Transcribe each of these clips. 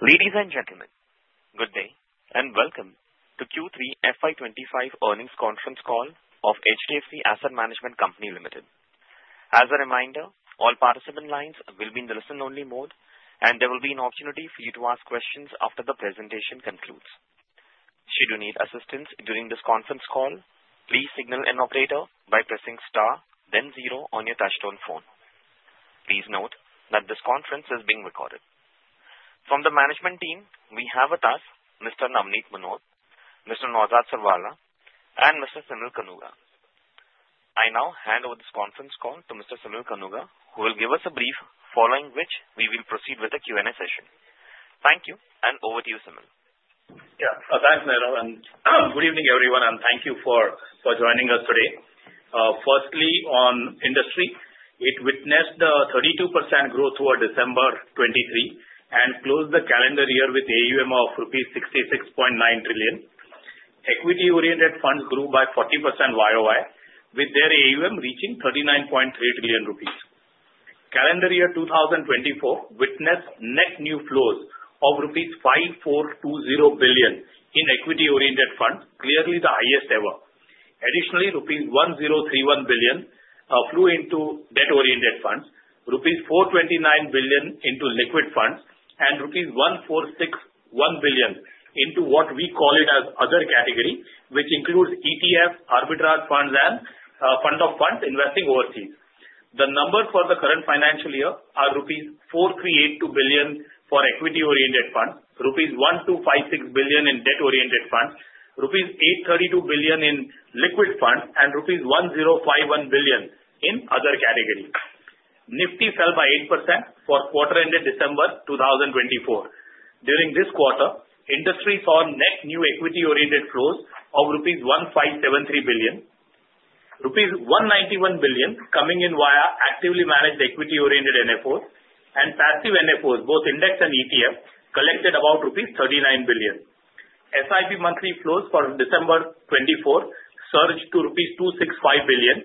Ladies and gentlemen, good day and welcome to Q3 FY25 earnings conference call of HDFC Asset Management Company Limited. As a reminder, all participant lines will be in the listen-only mode, and there will be an opportunity for you to ask questions after the presentation concludes. Should you need assistance during this conference call, please signal an operator by pressing star, then zero on your touch-tone phone. Please note that this conference is being recorded. From the management team, we have with us Mr. Navneet Munot, Mr. Naozad Sirwalla, and Mr. Simal Kanuga. I now hand over this conference call to Mr. Simal Kanuga, who will give us a brief, following which we will proceed with the Q&A session. Thank you, and over to you, Simal. Yeah, thanks, Niral. And good evening, everyone, and thank you for joining us today. Firstly, on industry, it witnessed a 32% growth through December 2023 and closed the calendar year with AUM of rupees 66.9 trillion. Equity-oriented funds grew by 40% YOY, with their AUM reaching 39.3 trillion rupees. Calendar year 2024 witnessed net new flows of rupees 5,420 billion in equity-oriented funds, clearly the highest ever. Additionally, rupees 1,031 billion flew into debt-oriented funds, rupees 429 billion into liquid funds, and rupees 1,461 billion into what we call as other category, which includes ETF, arbitrage funds, and fund of funds investing overseas. The numbers for the current financial year are rupees 4,382 billion for equity-oriented funds, rupees 1,256 billion in debt-oriented funds, rupees 832 billion in liquid funds, and rupees 1,051 billion in other category. Nifty fell by 8% for quarter-ended December 2024. During this quarter, industry saw net new equity-oriented flows of 1,573 billion rupees, 191 billion coming in via actively managed equity-oriented NFOs, and passive NFOs, both index and ETF, collected about rupees 39 billion. SIP monthly flows for December 2024 surged to rupees 265 billion,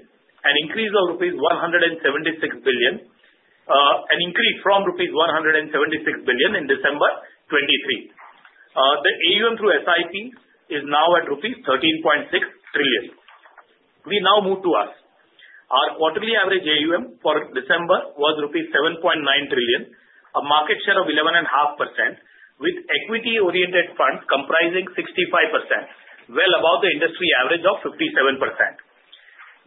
an increase of rupees 176 billion, an increase from rupees 176 billion in December 2023. The AUM through SIP is now at rupees 13.6 trillion. We now move to us. Our quarterly average AUM for December was 7.9 trillion, a market share of 11.5%, with equity-oriented funds comprising 65%, well above the industry average of 57%.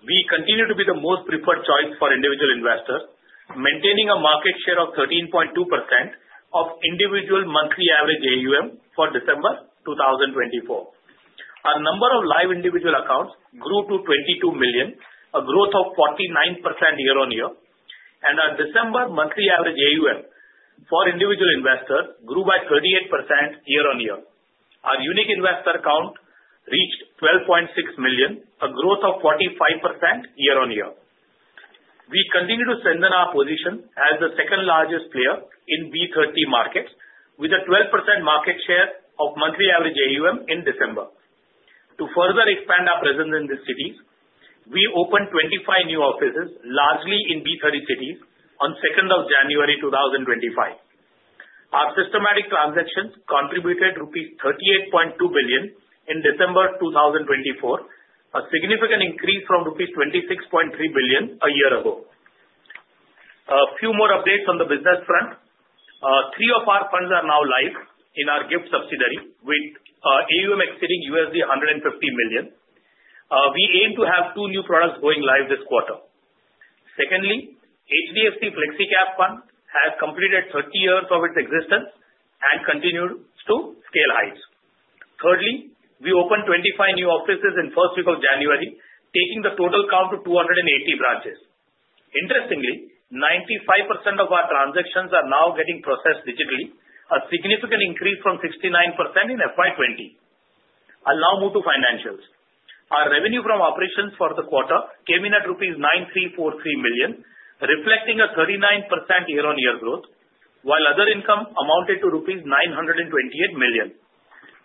We continue to be the most preferred choice for individual investors, maintaining a market share of 13.2% of individual monthly average AUM for December 2024. Our number of live individual accounts grew to 22 million, a growth of 49% year-on-year, and our December monthly average AUM for individual investors grew by 38% year-on-year. Our unique investor count reached 12.6 million, a growth of 45% year-on-year. We continue to strengthen our position as the second-largest player in B30 markets, with a 12% market share of monthly average AUM in December. To further expand our presence in these cities, we opened 25 new offices, largely in B30 cities, on 2nd of January 2025. Our systematic transactions contributed rupees 38.2 billion in December 2024, a significant increase from rupees 26.3 billion a year ago. A few more updates on the business front. Three of our funds are now live in our GIFT City subsidiary, with AUM exceeding $150 million. We aim to have two new products going live this quarter. Secondly, HDFC FlexiCap Fund has completed 30 years of its existence and continues to scale heights. Thirdly, we opened 25 new offices in the first week of January, taking the total count to 280 branches. Interestingly, 95% of our transactions are now getting processed digitally, a significant increase from 69% in FY20. I'll now move to financials. Our revenue from operations for the quarter came in at rupees 9343 million, reflecting a 39% year-on-year growth, while other income amounted to rupees 928 million.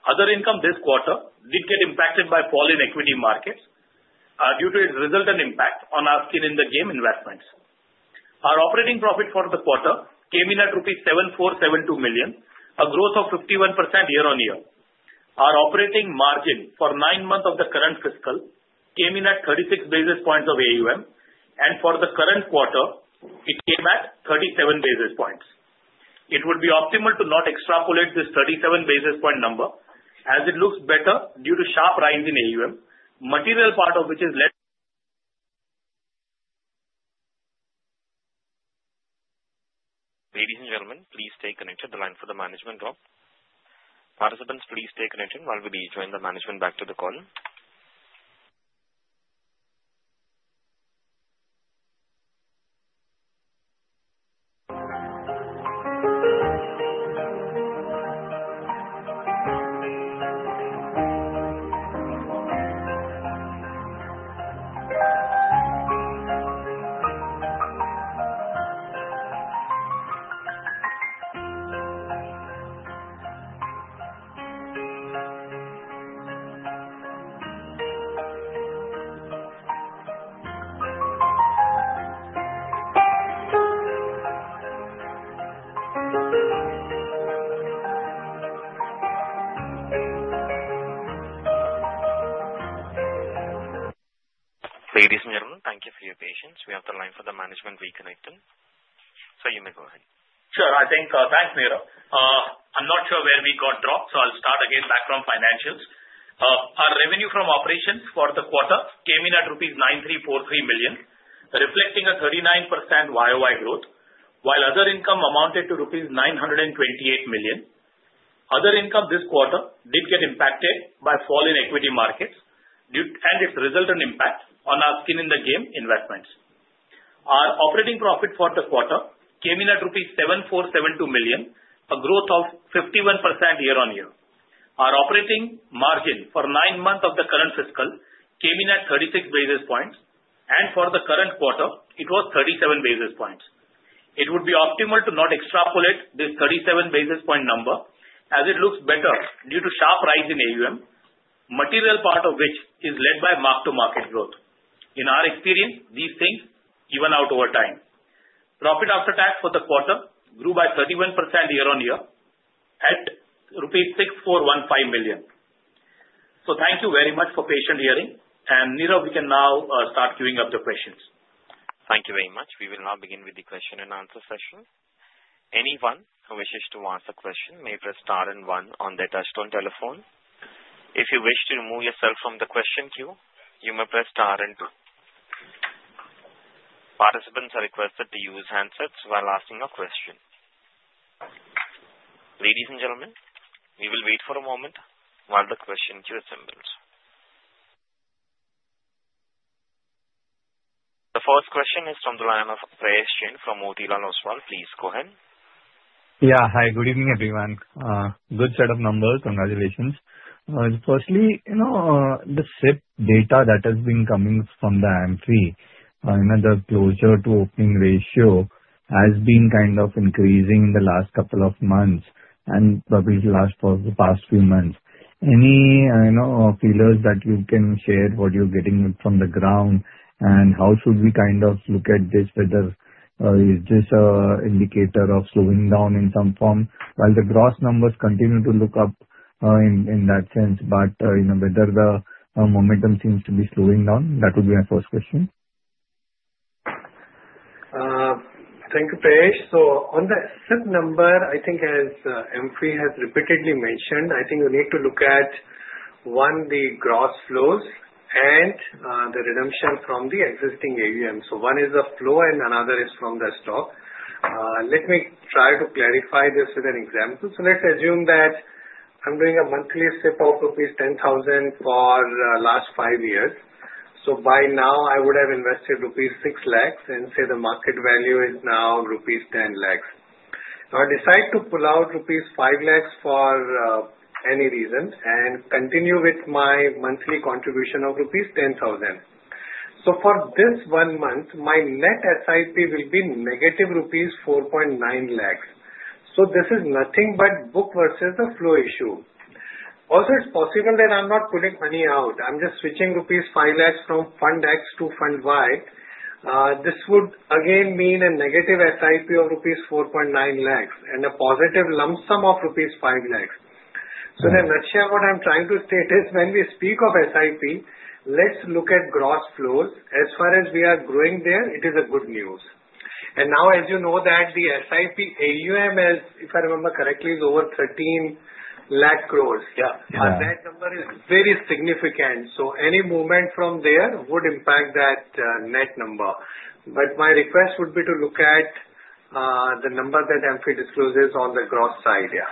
Other income this quarter did get impacted by fall in equity markets due to its resultant impact on our skin-in-the-game investments. Our operating profit for the quarter came in at rupees 7472 million, a growth of 51% year-on-year. Our operating margin for nine months of the current fiscal came in at 36 bps of AUM, and for the current quarter, it came at 37 bps. It would be optimal to not extrapolate this 37 bp number, as it looks better due to a sharp rise in AUM, the material part of which is less. Ladies and gentlemen, please stay connected. The line for the management dropped. Participants, please stay connected while we rejoin the management back to the call. Ladies and gentlemen, thank you for your patience. We have the line for the management reconnected, so you may go ahead. Sure, I think thanks, Niral. I'm not sure where we got dropped, so I'll start again back from financials. Our revenue from operations for the quarter came in at rupees 9343 million, reflecting a 39% YOY growth, while other income amounted to rupees 928 million. Other income this quarter did get impacted by fall in equity markets and its resultant impact on our skin-in-the-game investments. Our operating profit for the quarter came in at rupees 7472 million, a growth of 51% year-on-year. Our operating margin for nine months of the current fiscal came in at 36 bps, and for the current quarter, it was 37 bps. It would be optimal to not extrapolate this 37 bp number, as it looks better due to a sharp rise in AUM, the material part of which is led by mark-to-market growth. In our experience, these things even out over time. Profit after tax for the quarter grew by 31% year-on-year at rupees 6415 million. So thank you very much for patient hearing, and Niral, we can now start queuing up the questions. Thank you very much. We will now begin with the question-and-answer session. Anyone who wishes to ask a question may press star and one on their touch-tone telephone. If you wish to remove yourself from the question queue, you may press star and two. Participants are requested to use handsets while asking a question. Ladies and gentlemen, we will wait for a moment while the question queue assembles. The first question is from the line of Prayesh Jain from Motilal Oswal. Please go ahead. Yeah, hi. Good evening, everyone. Good set of numbers. Congratulations. Firstly, the SIP data that has been coming from the AMFI, the close-to-open ratio, has been kind of increasing in the last couple of months and probably last for the past few months. Any color that you can share what you're getting from the ground, and how should we kind of look at this? Is this an indicator of slowing down in some form? While the gross numbers continue to look up in that sense, but whether the momentum seems to be slowing down, that would be my first question. Thank you, Prayesh. So on that SIP number, I think, as AMFI has repeatedly mentioned, I think we need to look at, one, the gross flows and the redemption from the existing AUM. So one is a flow, and another is from the stock. Let me try to clarify this with an example. So let's assume that I'm doing a monthly SIP of rupees 10,000 for the last five years. So by now, I would have invested rupees 6,000,000, and say the market value is now rupees 10,000,000. Now, I decide to pull out rupees 5,000,000 for any reason and continue with my monthly contribution of rupees 10,000. So for this one month, my net SIP will be negative rupees 4,900,000. So this is nothing but book versus the flow issue. Also, it's possible that I'm not pulling money out. I'm just switching rupees 5,000,000 from Fund X to Fund Y. This would, again, mean a negative SIP of rupees 4,900,000 and a positive lump sum of rupees 5,000,000. So the nutshell of what I'm trying to state is, when we speak of SIP, let's look at gross flows. As far as we are growing there, it is good news. And now, as you know, the SIP AUM, if I remember correctly, is over 13 lakh crores. Yeah, that number is very significant. So any movement from there would impact that net number. But my request would be to look at the number that AMFI discloses on the gross side. Yeah.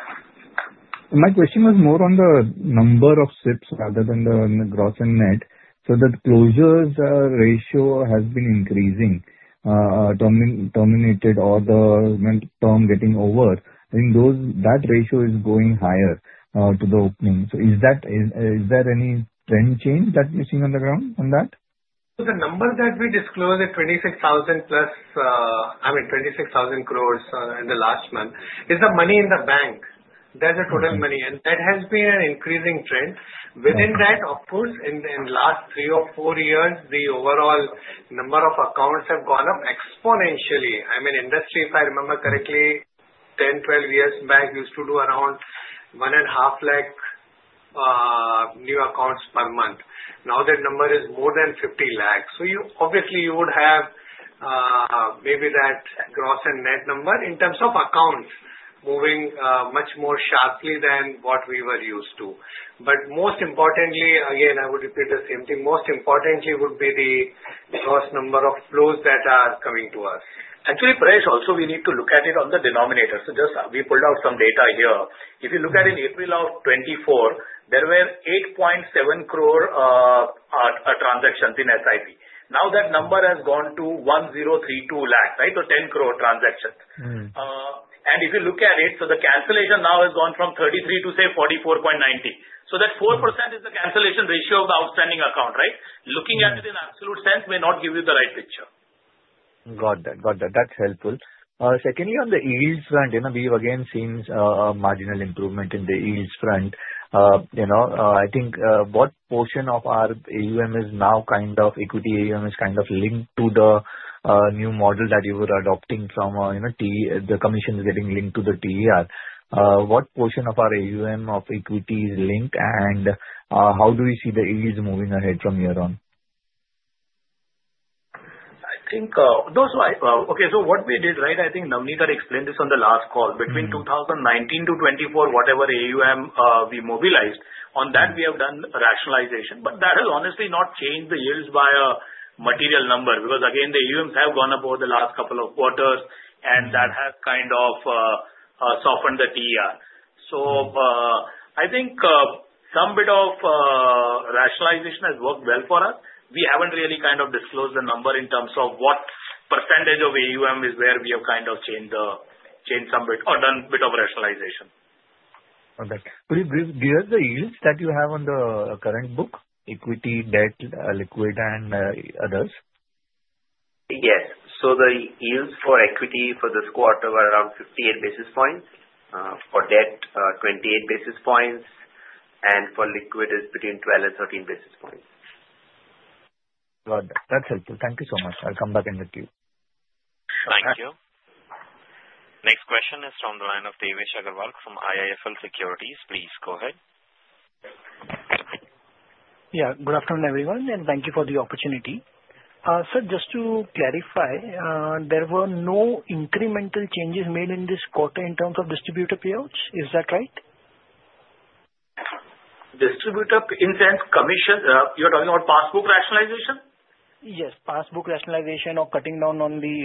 My question was more on the number of SIPs rather than the gross and net. So the closures ratio has been increasing, terminated, or the term getting over. I think that ratio is going higher to the opening. So is there any trend change that you're seeing on the ground on that? The number that we disclosed at 26,000 plus, I mean, 26,000 crores in the last month is the money in the bank. That's the total money. That has been an increasing trend. Within that, of course, in the last three or four years, the overall number of accounts have gone up exponentially. I mean, industry, if I remember correctly, 10, 12 years back, used to do around one and a half lakh new accounts per month. Now that number is more than 50 lakhs. Obviously, you would have maybe that gross and net number in terms of accounts moving much more sharply than what we were used to. But most importantly, again, I would repeat the same thing. Most importantly would be the gross number of flows that are coming to us. Actually, Prayesh, also, we need to look at it on the denominator. So just we pulled out some data here. If you look at in April of 2024, there were 8.7 crore transactions in SIP. Now that number has gone to 1032 lakhs, right? So 10 crore transactions. And if you look at it, so the cancellation now has gone from 33 to, say, 44.90. So that 4% is the cancellation ratio of the outstanding account, right? Looking at it in absolute sense may not give you the right picture. Got that. Got that. That's helpful. Secondly, on the yields front, we've again seen a marginal improvement in the yields front. I think what portion of our AUM is now kind of equity AUM is kind of linked to the new model that you were adopting from the commission is getting linked to the TER. What portion of our AUM of equity is linked, and how do we see the yields moving ahead from here on? I think those are okay. So what we did, right, I think Navneet had explained this on the last call. Between 2019 to 2024, whatever AUM we mobilized, on that, we have done rationalization. But that has honestly not changed the yields by a material number because, again, the AUMs have gone up over the last couple of quarters, and that has kind of softened the TER. So I think some bit of rationalization has worked well for us. We haven't really kind of disclosed the number in terms of what percentage of AUM is where we have kind of changed some bit or done a bit of rationalization. Okay. Do you have the yields that you have on the current book, equity, debt, liquid, and others? Yes. So the yields for equity for this quarter were around 58 bps. For debt, 28 bps, and for liquid, it's between 12 bps and 13 bps. Got that. That's helpful. Thank you so much. I'll come back and get you. Thank you. Next question is from the line of Devesh Agarwal from IIFL Securities. Please go ahead. Yeah. Good afternoon, everyone, and thank you for the opportunity. Sir, just to clarify, there were no incremental changes made in this quarter in terms of distributor payouts. Is that right? Distributor in sense commission? You're talking about past book rationalization? Yes. Back book rationalization or cutting down on the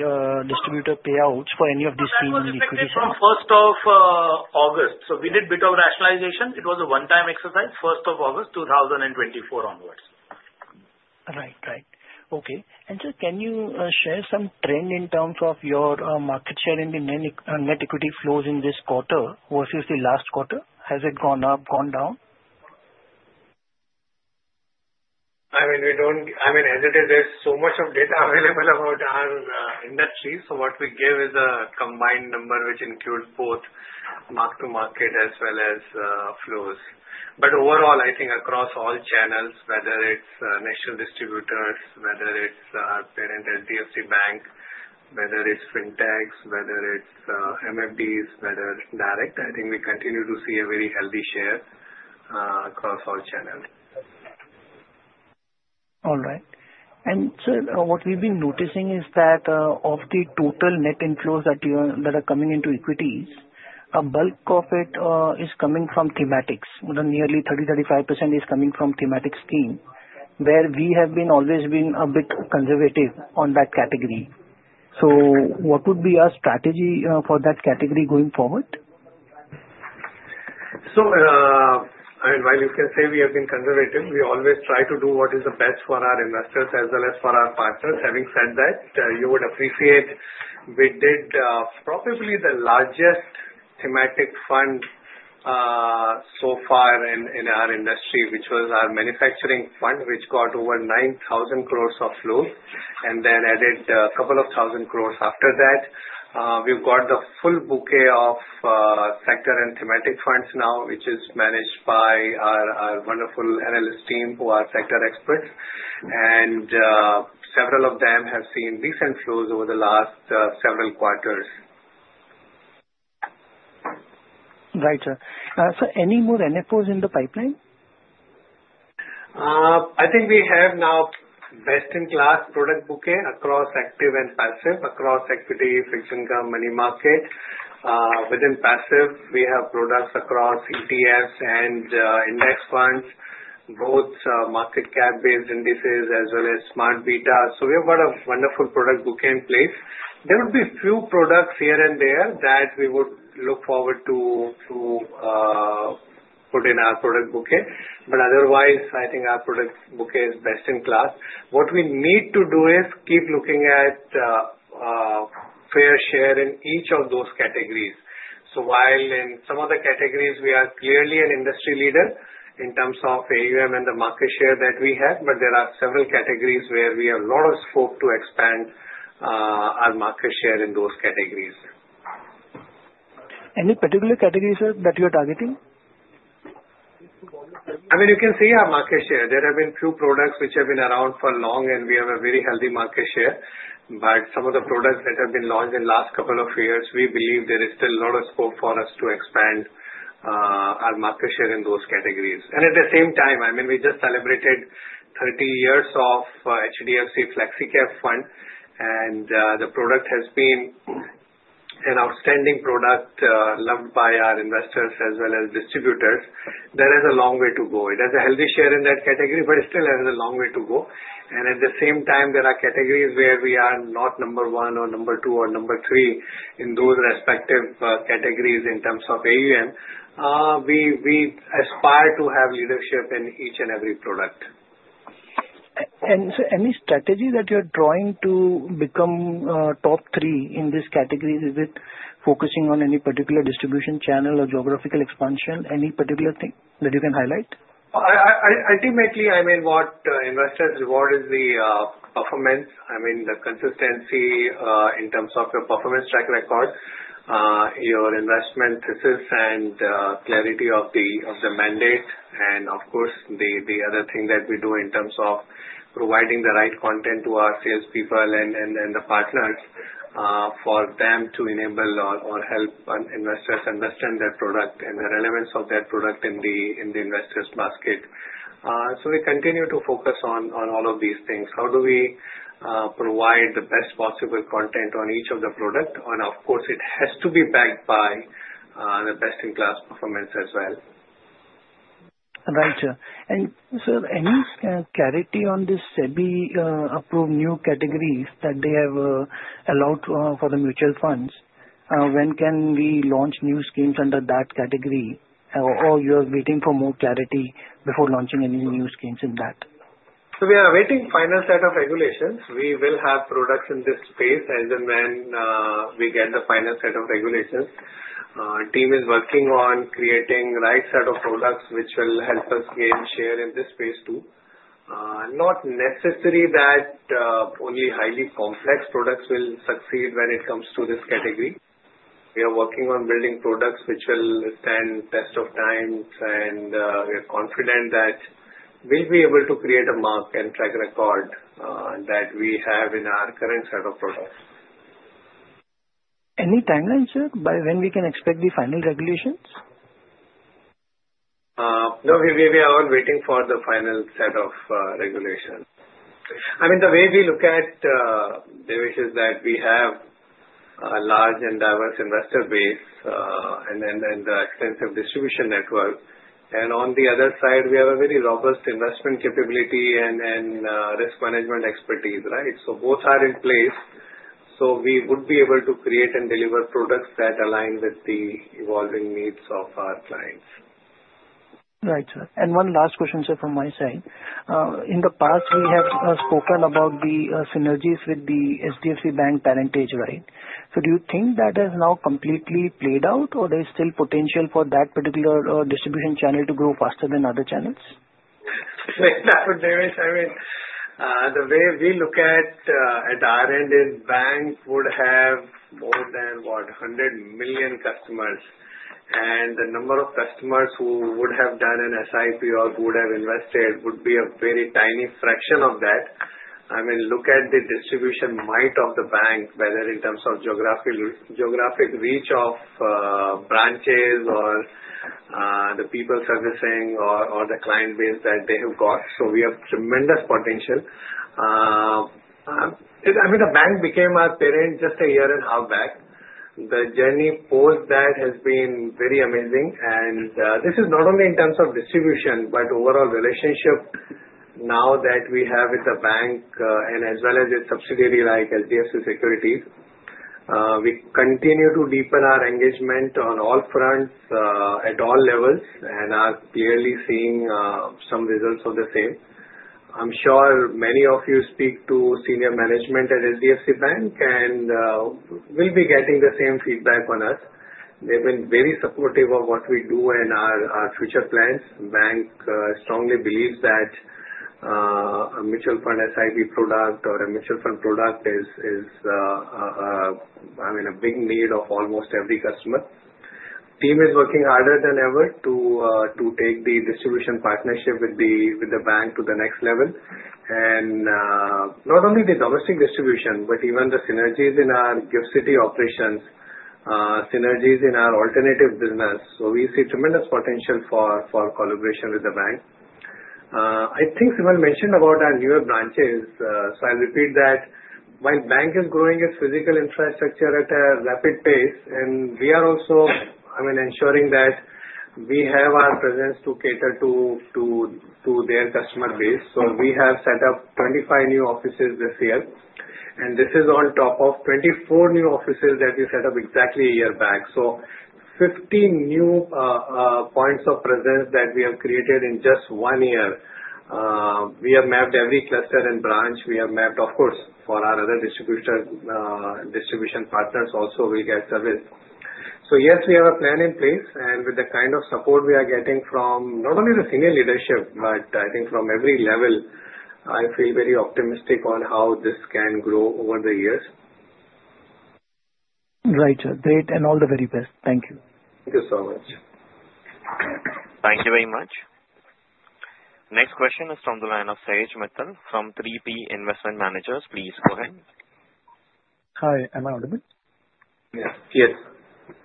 distributor payouts for any of these things in liquidation. From 1st of August. So we did a bit of rationalization. It was a one-time exercise, 1st of August 2024 onwards. Right. Okay. And sir, can you share some trend in terms of your market share in the net equity flows in this quarter versus the last quarter? Has it gone up, gone down? I mean, as it is, there's so much of data available about our industry. So what we give is a combined number which includes both mark-to-market as well as flows. But overall, I think across all channels, whether it's national distributors, whether it's our parent HDFC Bank, whether it's fintechs, whether it's MFDs, whether it's direct, I think we continue to see a very healthy share across all channels. All right. And sir, what we've been noticing is that of the total net inflows that are coming into equities, a bulk of it is coming from thematics. Nearly 30% to 35% is coming from thematic scheme, where we have always been a bit conservative on that category. So what would be our strategy for that category going forward? So I mean, while you can say we have been conservative, we always try to do what is the best for our investors as well as for our partners. Having said that, you would appreciate we did probably the largest thematic fund so far in our industry, which was our manufacturing fund, which got over 9,000 crores of flows and then added a couple of thousand crores after that. We've got the full bouquet of sector and thematic funds now, which is managed by our wonderful analyst team who are sector experts. And several of them have seen decent flows over the last several quarters. Right. Sir, any more NFOs in the pipeline? I think we have now best-in-class product bouquet across active and passive, across equity, fixed income, money market. Within passive, we have products across ETFs and index funds, both market cap-based indices as well as smart betas. So we have got a wonderful product bouquet in place. There would be a few products here and there that we would look forward to put in our product bouquet. But otherwise, I think our product bouquet is best in class. What we need to do is keep looking at fair share in each of those categories. So while in some of the categories, we are clearly an industry leader in terms of AUM and the market share that we have, but there are several categories where we have a lot of scope to expand our market share in those categories. Any particular categories, sir, that you are targeting? I mean, you can see our market share. There have been few products which have been around for long, and we have a very healthy market share. But some of the products that have been launched in the last couple of years, we believe there is still a lot of scope for us to expand our market share in those categories. And at the same time, I mean, we just celebrated 30 years of HDFC Flexi Cap Fund, and the product has been an outstanding product loved by our investors as well as distributors. There is a long way to go. It has a healthy share in that category, but it still has a long way to go. And at the same time, there are categories where we are not number one or number two or number three in those respective categories in terms of AUM. We aspire to have leadership in each and every product. Sir, any strategy that you're drawing to become top three in these categories? Is it focusing on any particular distribution channel or geographical expansion? Any particular thing that you can highlight? Ultimately, I mean, what investors reward is the performance. I mean, the consistency in terms of your performance track record, your investment thesis, and clarity of the mandate, and of course, the other thing that we do in terms of providing the right content to our salespeople and the partners for them to enable or help investors understand their product and the relevance of their product in the investor's basket, so we continue to focus on all of these things. How do we provide the best possible content on each of the products, and of course, it has to be backed by the best-in-class performance as well. Right. And sir, any clarity on the SEBI-approved new categories that they have allowed for the mutual funds? When can we launch new schemes under that category? Or you are waiting for more clarity before launching any new schemes in that? So we are awaiting final set of regulations. We will have products in this space as and when we get the final set of regulations. The team is working on creating the right set of products which will help us gain share in this space too. Not necessary that only highly complex products will succeed when it comes to this category. We are working on building products which will stand the test of time, and we are confident that we'll be able to create a mark and track record that we have in our current set of products. Any timelines, sir, by when we can expect the final regulations? No. We are all waiting for the final set of regulations. I mean, the way we look at this is that we have a large and diverse investor base and an extensive distribution network, and on the other side, we have a very robust investment capability and risk management expertise, right? So both are in place, so we would be able to create and deliver products that align with the evolving needs of our clients. Right. And one last question, sir, from my side. In the past, we have spoken about the synergies with the HDFC Bank parentage, right? So do you think that has now completely played out, or there is still potential for that particular distribution channel to grow faster than other channels? That would vary. I mean, the way we look at it, our Indian bank would have more than, what, 100 million customers. And the number of customers who would have done an SIP or who would have invested would be a very tiny fraction of that. I mean, look at the distribution might of the bank, whether in terms of geographic reach of branches or the people servicing or the client base that they have got. So we have tremendous potential. I mean, the bank became our parent just a year and a half back. The journey post that has been very amazing. And this is not only in terms of distribution, but overall relationship now that we have with the bank and as well as its subsidiary like HDFC Securities. We continue to deepen our engagement on all fronts at all levels and are clearly seeing some results of the same. I'm sure many of you speak to senior management at HDFC Bank and will be getting the same feedback on us. They've been very supportive of what we do and our future plans. The bank strongly believes that a mutual fund SIP product or a mutual fund product is, I mean, a big need of almost every customer. The team is working harder than ever to take the distribution partnership with the bank to the next level, and not only the domestic distribution, but even the synergies in our GIFT City operations, synergies in our alternative business, so we see tremendous potential for collaboration with the bank. I think Simal mentioned about our newer branches. So I'll repeat that. While the bank is growing its physical infrastructure at a rapid pace, and we are also, I mean, ensuring that we have our presence to cater to their customer base. So we have set up 25 new offices this year. This is on top of 24 new offices that we set up exactly a year back. We have created 15 new points of presence in just one year. We have mapped every cluster and branch. We have mapped, of course, for our other distribution partners also, we get service. Yes, we have a plan in place. With the kind of support we are getting from not only the senior leadership, but I think from every level, I feel very optimistic on how this can grow over the years. Right. Great. And all the very best. Thank you. Thank you so much. Thank you very much. Next question is from the line of Sahej Mittal from 3P Investment Managers. Please go ahead. Hi. Am I audible? Yes. Yes.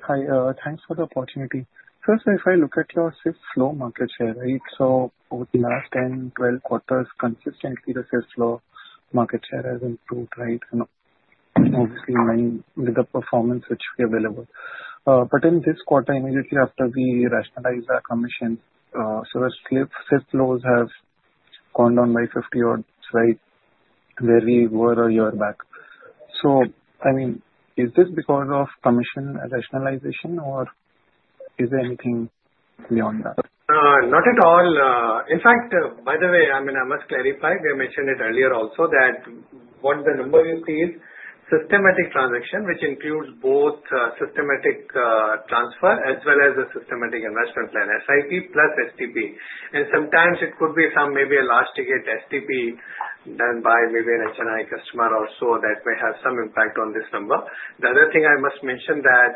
Hi. Thanks for the opportunity. Sir, so if I look at your SIP flow market share, right, so over the last 10-12 quarters, consistently, the SIP flow market share has improved, right? And obviously, with the performance which we have available. But in this quarter, immediately after we rationalized our commission, SIP flows have gone down by 50%, right, where we were a year back. So I mean, is this because of commission rationalization, or is there anything beyond that? Not at all. In fact, by the way, I mean, I must clarify. We mentioned it earlier also that what the number you see is systematic transaction, which includes both systematic transfer as well as a systematic investment plan, SIP plus STP. And sometimes it could be some maybe escalating STP done by maybe an HNI customer or so that may have some impact on this number. The other thing I must mention is that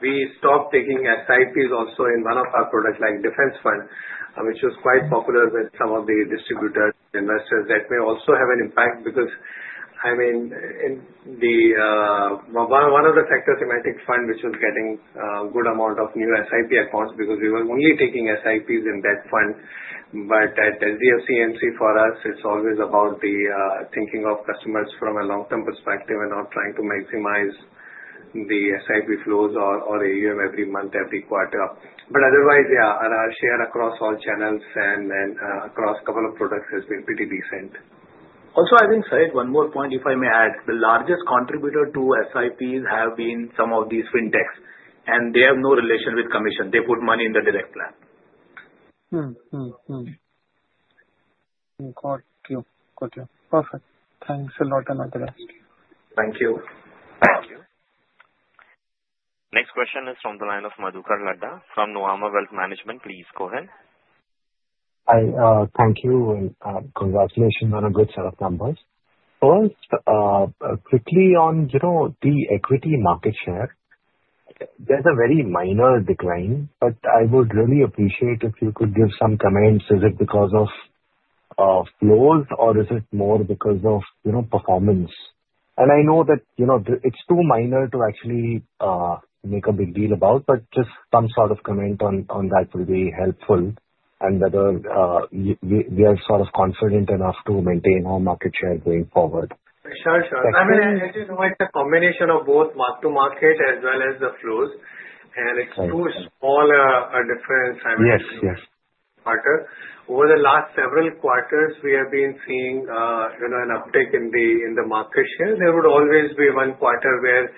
we stopped taking SIPs also in one of our products like Defence Fund, which was quite popular with some of the distributor investors that may also have an impact because, I mean, one of the sector thematic funds which was getting a good amount of new SIP accounts because we were only taking SIPs in that fund. But at HDFC AMC, for us, it's always about the thinking of customers from a long-term perspective and not trying to maximize the SIP flows or AUM every month, every quarter. But otherwise, yeah, our share across all channels and across a couple of products has been pretty decent. Also, I think, say, one more point, if I may add. The largest contributor to SIPs have been some of these fintechs. And they have no relation with commission. They put money in the direct plan. Got you. Got you. Perfect. Thanks a lot, Anantharaj. Thank you. Thank you. Next question is from the line of Madhukar Ladda from Nuvama Wealth Management. Please go ahead. Hi. Thank you. And congratulations on a good set of numbers. First, quickly on the equity market share, there's a very minor decline, but I would really appreciate if you could give some comments. Is it because of flows, or is it more because of performance? And I know that it's too minor to actually make a big deal about, but just some sort of comment on that would be helpful and whether we are sort of confident enough to maintain our market share going forward. Sure, sure. I mean, as you know, it's a combination of both mark-to-market as well as the flows. And it's too small a difference, I mean, in the quarter. Over the last several quarters, we have been seeing an uptake in the market share. There would always be one quarter where,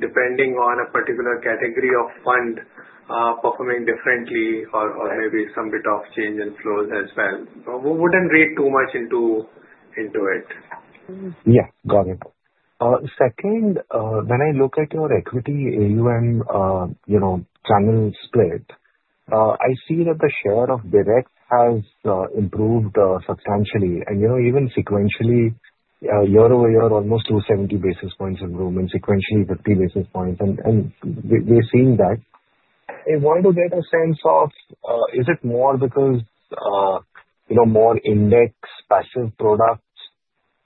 depending on a particular category of fund, performing differently or maybe some bit of change in flows as well. We wouldn't read too much into it. Yeah. Got it. Second, when I look at your equity AUM channel split, I see that the share of direct has improved substantially. And even sequentially, year over year, almost 270 bps improvement, sequentially 50 bps. And we're seeing that. I want to get a sense of, is it more because more index passive products,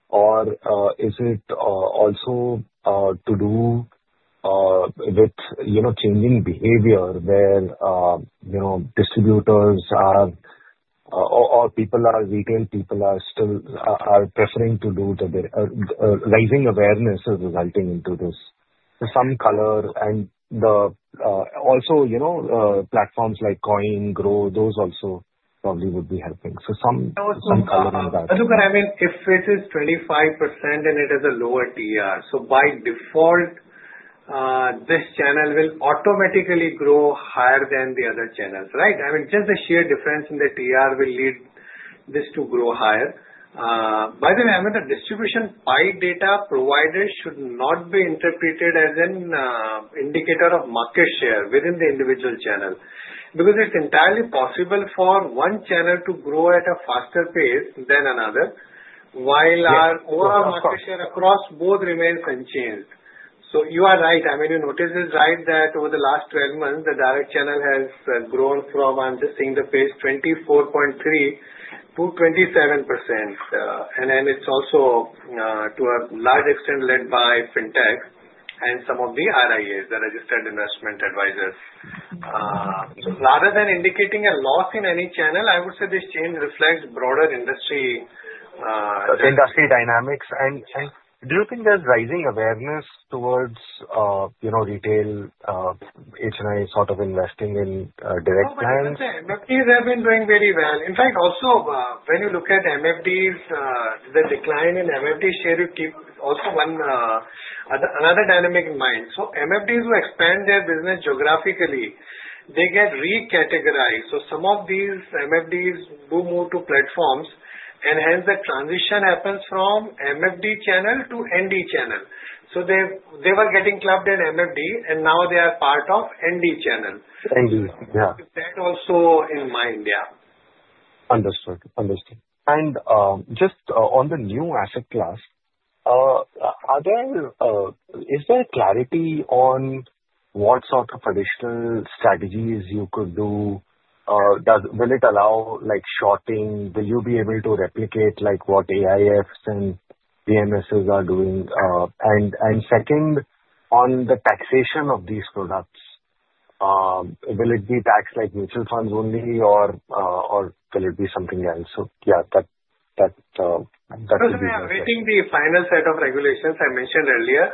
or is it also to do with changing behavior where distributors are or people are retail people are still preferring to do the rising awareness is resulting into this. So some color and also platforms like Coin, Groww, those also probably would be helping. So some color in that. Look, I mean, if it is 25% and it has a lower TER, so by default, this channel will automatically grow higher than the other channels, right? I mean, just the sheer difference in the TER will lead this to grow higher. By the way, I mean, the distribution pie data provided should not be interpreted as an indicator of market share within the individual channel because it's entirely possible for one channel to grow at a faster pace than another while our overall market share across both remains unchanged. So you are right. I mean, you notice it's right that over the last 12 months, the direct channel has grown from, I'm just seeing the pace, 24.3%-27%. And then it's also to a large extent led by fintechs and some of the RIAs, the registered investment advisors. Rather than indicating a loss in any channel, I would say this change reflects broader industry. Industry dynamics. And do you think there's rising awareness toward retail HNI sort of investing in direct plans? I would say MFDs have been doing very well. In fact, also when you look at MFDs, the decline in MFD share, also another dynamic in mind. So MFDs who expand their business geographically, they get recategorized. So some of these MFDs do move to platforms, and hence the transition happens from MFD channel to ND channel. So they were getting clubbed in MFD, and now they are part of ND channel. ND. Yeah. So keep that also in mind, yeah. Understood. Understood. And just on the new asset class, is there clarity on what sort of additional strategies you could do? Will it allow shorting? Will you be able to replicate what AIFs and PMSs are doing? And second, on the taxation of these products, will it be taxed like mutual funds only, or will it be something else? So yeah, that could be discussed. I mean, awaiting the final set of regulations I mentioned earlier,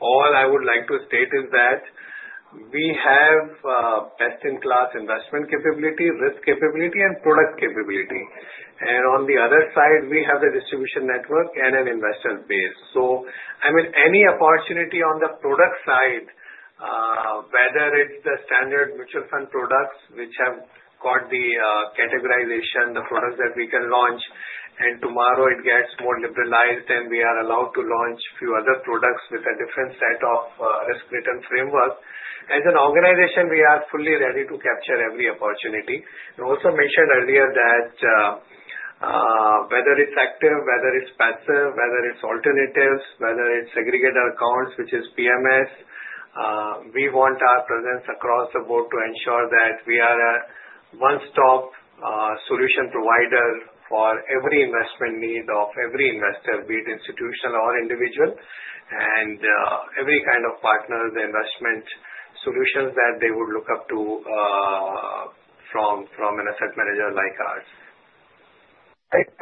all I would like to state is that we have best-in-class investment capability, risk capability, and product capability, and on the other side, we have the distribution network and an investor base, so I mean, any opportunity on the product side, whether it's the standard mutual fund products which have got the categorization, the products that we can launch, and tomorrow it gets more liberalized and we are allowed to launch a few other products with a different set of risk-ridden framework, as an organization, we are fully ready to capture every opportunity. And also mentioned earlier that whether it's active, whether it's passive, whether it's alternatives, whether it's segregated accounts, which is PMS, we want our presence across the board to ensure that we are a one-stop solution provider for every investment need of every investor, be it institutional or individual, and every kind of partner, the investment solutions that they would look up to from an asset manager like ours.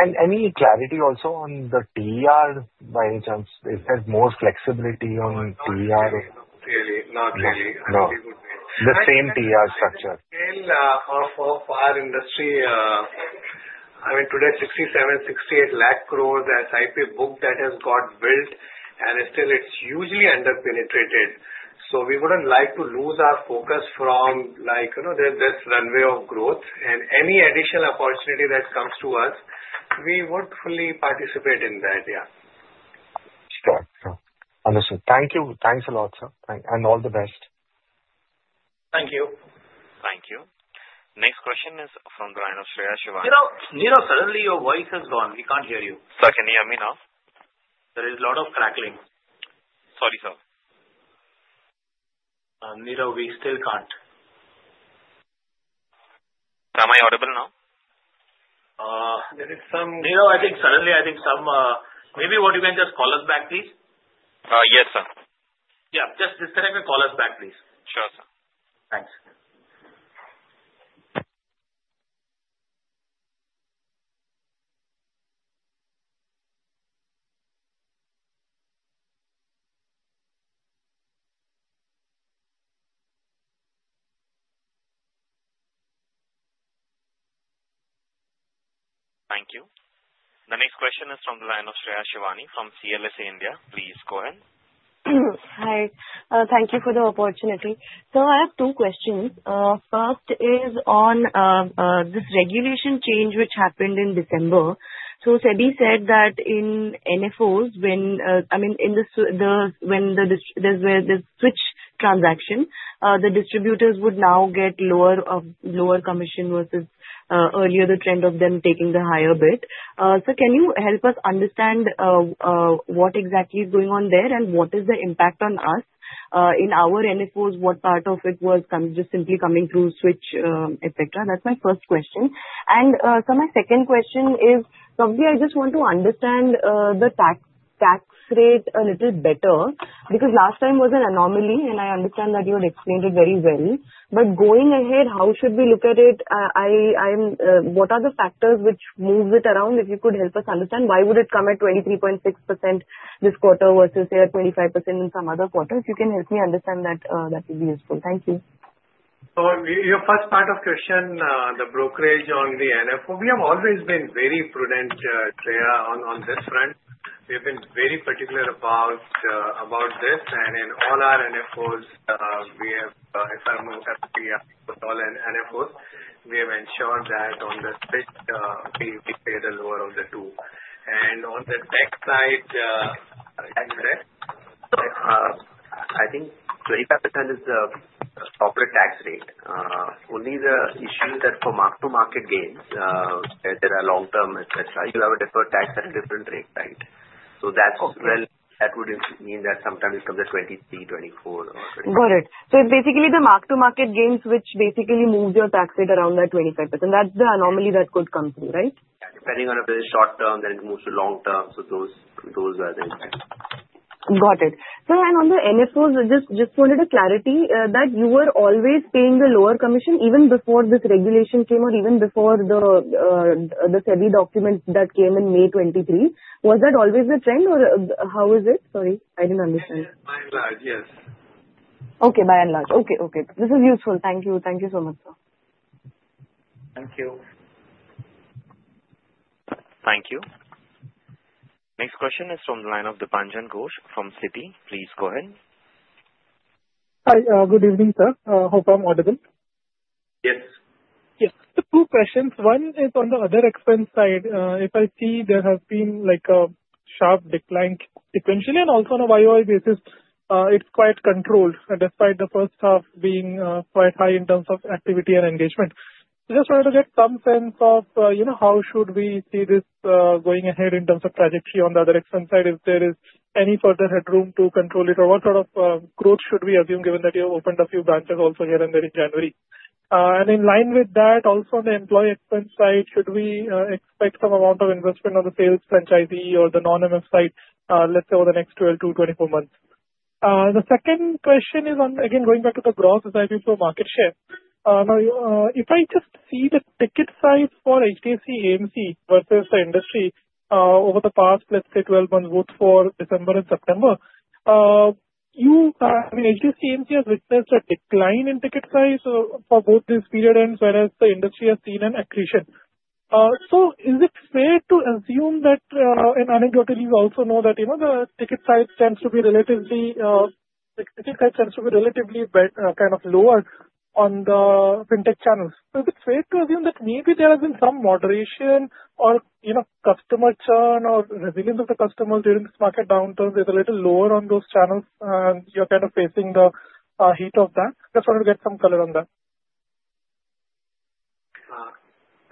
Any clarity also on the TER by any chance? Is there more flexibility on TER? Not really. Not really. No. The same TER structure. Still, for our industry, I mean, today, 67 to 68 lakh crores SIP book that has got built, and still, it's hugely underpenetrated. So we wouldn't like to lose our focus from this runway of growth, and any additional opportunity that comes to us, we would fully participate in that, yeah. Sure. Sure. Understood. Thank you. Thanks a lot, sir. And all the best. Thank you. Thank you. Next question is from the line of Shreya Shivani. Niral, Niral, suddenly your voice has gone. We can't hear you. Sir, can you hear me now? There is a lot of crackling. Sorry, sir. Niral, we still can't. Am I audible now? There is someone. Niral, I think suddenly, I think some maybe what you can just call us back, please? Yes, sir. Yeah. Just disconnect and call us back, please. Sure, sir. Thanks. Thank you. The next question is from the line of Shreya Shivani from CLSA India. Please go ahead. Hi. Thank you for the opportunity. So I have two questions. First is on this regulation change which happened in December. So SEBI said that in NFOs, when I mean, in the switch transaction, the distributors would now get lower commission versus earlier the trend of them taking the higher bit. So can you help us understand what exactly is going on there and what is the impact on us? In our NFOs, what part of it was just simply coming through switch, etc.? That's my first question. And so my second question is, Sadhbhi, I just want to understand the tax rate a little better because last time was an anomaly, and I understand that you had explained it very well. But going ahead, how should we look at it? What are the factors which move it around? If you could help us understand, why would it come at 23.6% this quarter versus 25% in some other quarters? You can help me understand that. That would be useful. Thank you. So your first part of question, the brokerage on the NFO, we have always been very prudent, Shreya Shivani, on this front. We have been very particular about this. And in all our NFOs, we have if I look at the AMFI portal and NFOs, we have ensured that on the switch, we pay the lower of the two. And on the tax side, Sadhbhi, I think 25% is the corporate tax rate. Only the issue is that for mark-to-market gains, there are long-term, etc. You have a different tax at a different rate, right? So that would mean that sometimes it comes at 23%, 24%, or 25%. Got it. So it's basically the mark-to-market gains which basically move your tax rate around that 25%. That's the anomaly that could come through, right? Yeah. Depending on if it is short-term, then it moves to long-term. So those are the impacts. Got it. So then on the NFOs, just wanted clarity that you were always paying the lower commission even before this regulation came or even before the SEBI document that came in May 2023. Was that always the trend, or how is it? Sorry. I didn't understand. By and large, yes. Okay. By and large. This is useful. Thank you. Thank you so much, sir. Thank you. Thank you. Next question is from the line of Dipanjan Ghosh from Citi. Please go ahead. Hi. Good evening, sir. Hope I'm audible? Yes. Yes. Two questions. One is on the other expense side. If I see there has been a sharp decline sequentially and also on a YOY basis, it's quite controlled despite the first half being quite high in terms of activity and engagement. Just wanted to get some sense of how should we see this going ahead in terms of trajectory on the other expense side, if there is any further headroom to control it, or what sort of growth should we assume given that you have opened a few branches also here and there in January? And in line with that, also on the employee expense side, should we expect some amount of investment on the sales franchisee or the non-MF side, let's say, over the next 12 to 24 months? The second question is on, again, going back to the growth of SIP for market share. Now, if I just see the ticket size for HDFC AMC versus the industry over the past, let's say, 12 months, both for December and September, I mean, HDFC AMC has witnessed a decline in ticket size for both these period ends, whereas the industry has seen an accretion. So is it fair to assume that, and anecdotally, we also know that the ticket size tends to be relatively kind of lower on the fintech channels? Is it fair to assume that maybe there has been some moderation or customer churn or resilience of the customers during this market downturn? They're a little lower on those channels, and you're kind of facing the heat of that? Just wanted to get some color on that.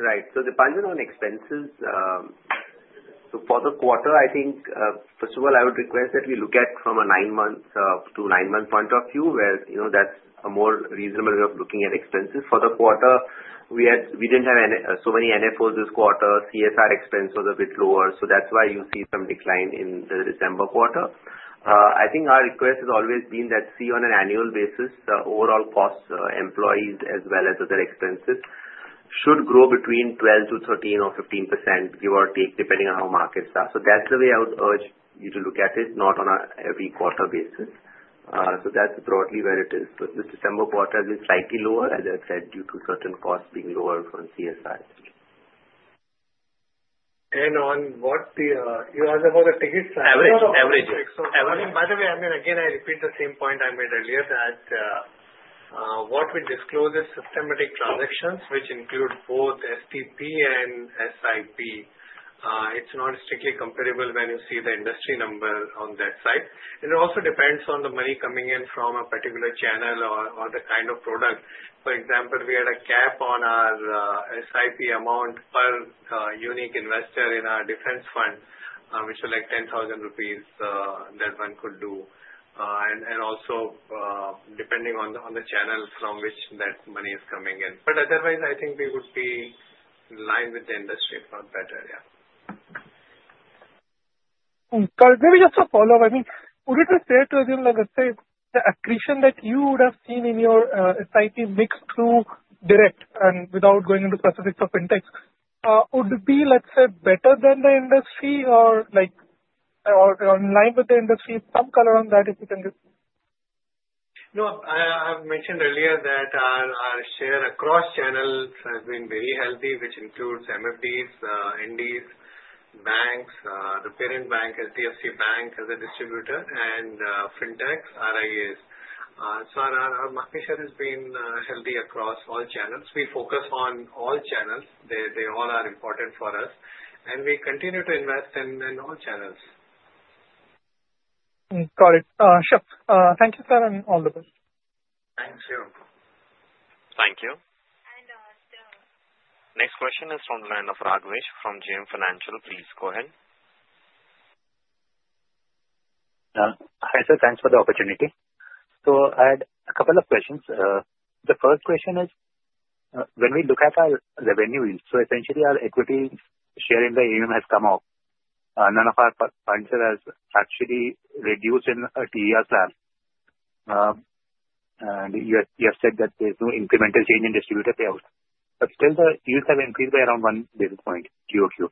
Right. So Dipanjan on expenses, so for the quarter, I think, first of all, I would request that we look at from a nine-month to nine-month point of view, where that's a more reasonable way of looking at expenses. For the quarter, we didn't have so many NFOs this quarter. CSR expense was a bit lower. So that's why you see some decline in the December quarter. I think our request has always been that, see, on an annual basis, the overall costs, employees as well as other expenses, should grow between 12% to 13% or 15%, give or take, depending on how markets are. So that's the way I would urge you to look at it, not on an every quarter basis. So that's broadly where it is. But this December quarter has been slightly lower, as I said, due to certain costs being lower from CSR. On what you asked about the ticket size? Average. Average. Yeah. So I mean, by the way, I mean, again, I repeat the same point I made earlier that what we disclose is systematic transactions, which include both STP and SIP. It's not strictly comparable when you see the industry number on that side. And it also depends on the money coming in from a particular channel or the kind of product. For example, we had a cap on our SIP amount per unique investor in our Defence Fund, which is like 10,000 rupees that one could do. And also, depending on the channel from which that money is coming in. But otherwise, I think we would be in line with the industry, if not better, yeah. Sadhbhi, maybe just a follow-up. I mean, would it be fair to assume, let's say, the accretion that you would have seen in your SIP mix through direct and without going into specifics of fintechs would be, let's say, better than the industry or in line with the industry? Some color on that, if you can give. No, I have mentioned earlier that our share across channels has been very healthy, which includes MFDs, NDs, banks, the parent bank, HDFC Bank as a distributor, and fintechs, RIAs, so our market share has been healthy across all channels. We focus on all channels. They all are important for us, and we continue to invest in all channels. Got it. Sure. Thank you, sir, and all the best. Thank you. Thank you. And still. Next question is from the line of Raghav from JM Financial. Please go ahead. Hi, sir. Thanks for the opportunity. So I had a couple of questions. The first question is, when we look at our revenue, so essentially, our equity share in the AUM has come up. None of our funds have actually reduced in TER plan. And you have said that there's no incremental change in distributor payout. But still, the yields have increased by around 1 bp, QOQ.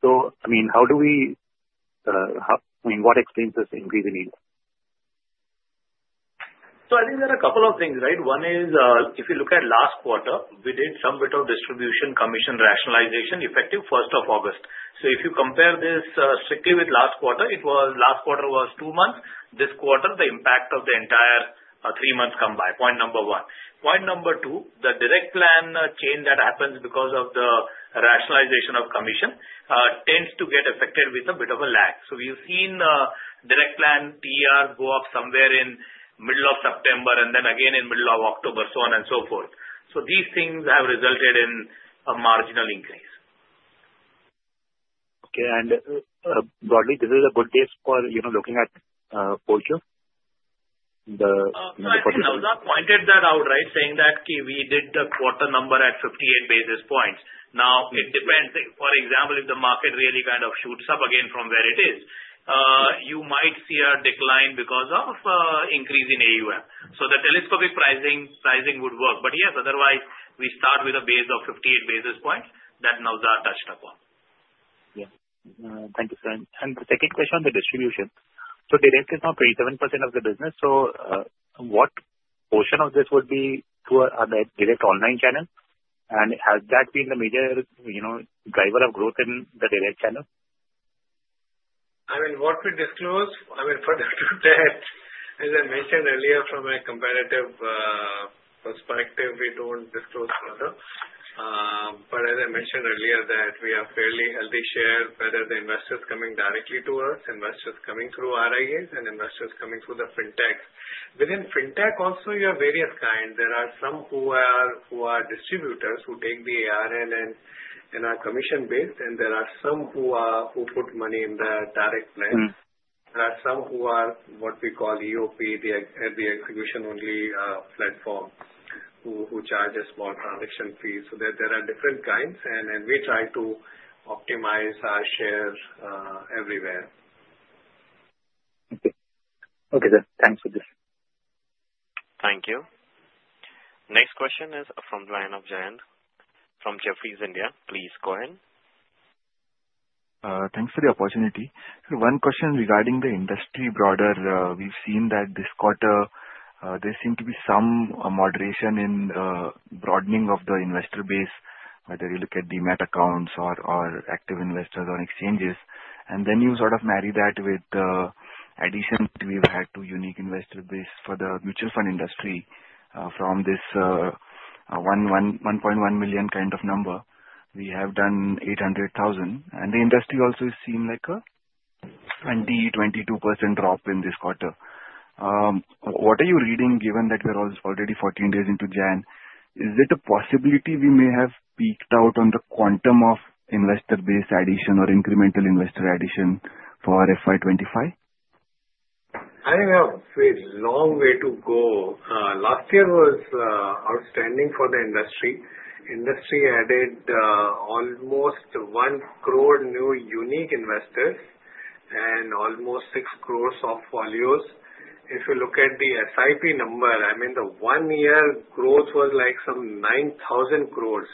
So I mean, how do we I mean, what explains this increase in yields? So I think there are a couple of things, right? One is, if you look at last quarter, we did some bit of distribution commission rationalization effective 1st of August. So if you compare this strictly with last quarter, last quarter was two months. This quarter, the impact of the entire three months come by, point number one. Point number two, the direct plan change that happens because of the rationalization of commission tends to get affected with a bit of a lag. So we've seen direct plan TER go up somewhere in the middle of September and then again in the middle of October, so on and so forth. So these things have resulted in a marginal increase. Okay. Broadly, this is a good case for looking at Polycab. Sadhbhi, Naozad pointed that out, right, saying that, "Okay, we did the quarter number at 58 bps." Now, it depends. For example, if the market really kind of shoots up again from where it is, you might see a decline because of increase in AUM. So the telescopic pricing would work. But yes, otherwise, we start with a base of 58 bps that Naozad touched upon. Yeah. Thank you, sir. And the second question on the distribution. So direct is now 27% of the business. So what portion of this would be through our direct online channel? And has that been the major driver of growth in the direct channel? I mean, what we disclose, I mean, further to that, as I mentioned earlier, from a comparative perspective, we don't disclose further. But as I mentioned earlier, that we have fairly healthy share, whether the investor's coming directly to us, investors coming through RIAs, and investors coming through the fintechs. Within fintech also, you have various kinds. There are some who are distributors who take the ARN and are commission-based, and there are some who put money in the direct plan. There are some who are what we call EOP, the execution-only platform, who charge a small transaction fee. So there are different kinds, and we try to optimize our share everywhere. Okay. Okay, sir. Thanks for this. Thank you. Next question is from the line of Jayant from Jefferies India. Please go ahead. Thanks for the opportunity. One question regarding the industry broader. We've seen that this quarter, there seemed to be some moderation in the broadening of the investor base, whether you look at Demat accounts or active investors on exchanges. And then you sort of marry that with the addition that we've had to unique investor base for the mutual fund industry. From this 1.1 million kind of number, we have done 800,000. And the industry also has seen like a 20-22% drop in this quarter. What are you reading, given that we're already 14 days into January? Is it a possibility we may have peaked out on the quantum of investor base addition or incremental investor addition for FY25? I think we have a long way to go. Last year was outstanding for the industry. Industry added almost one crore new unique investors and almost six crores of volumes. If you look at the SIP number, I mean, the one-year growth was like some 9,000 crores.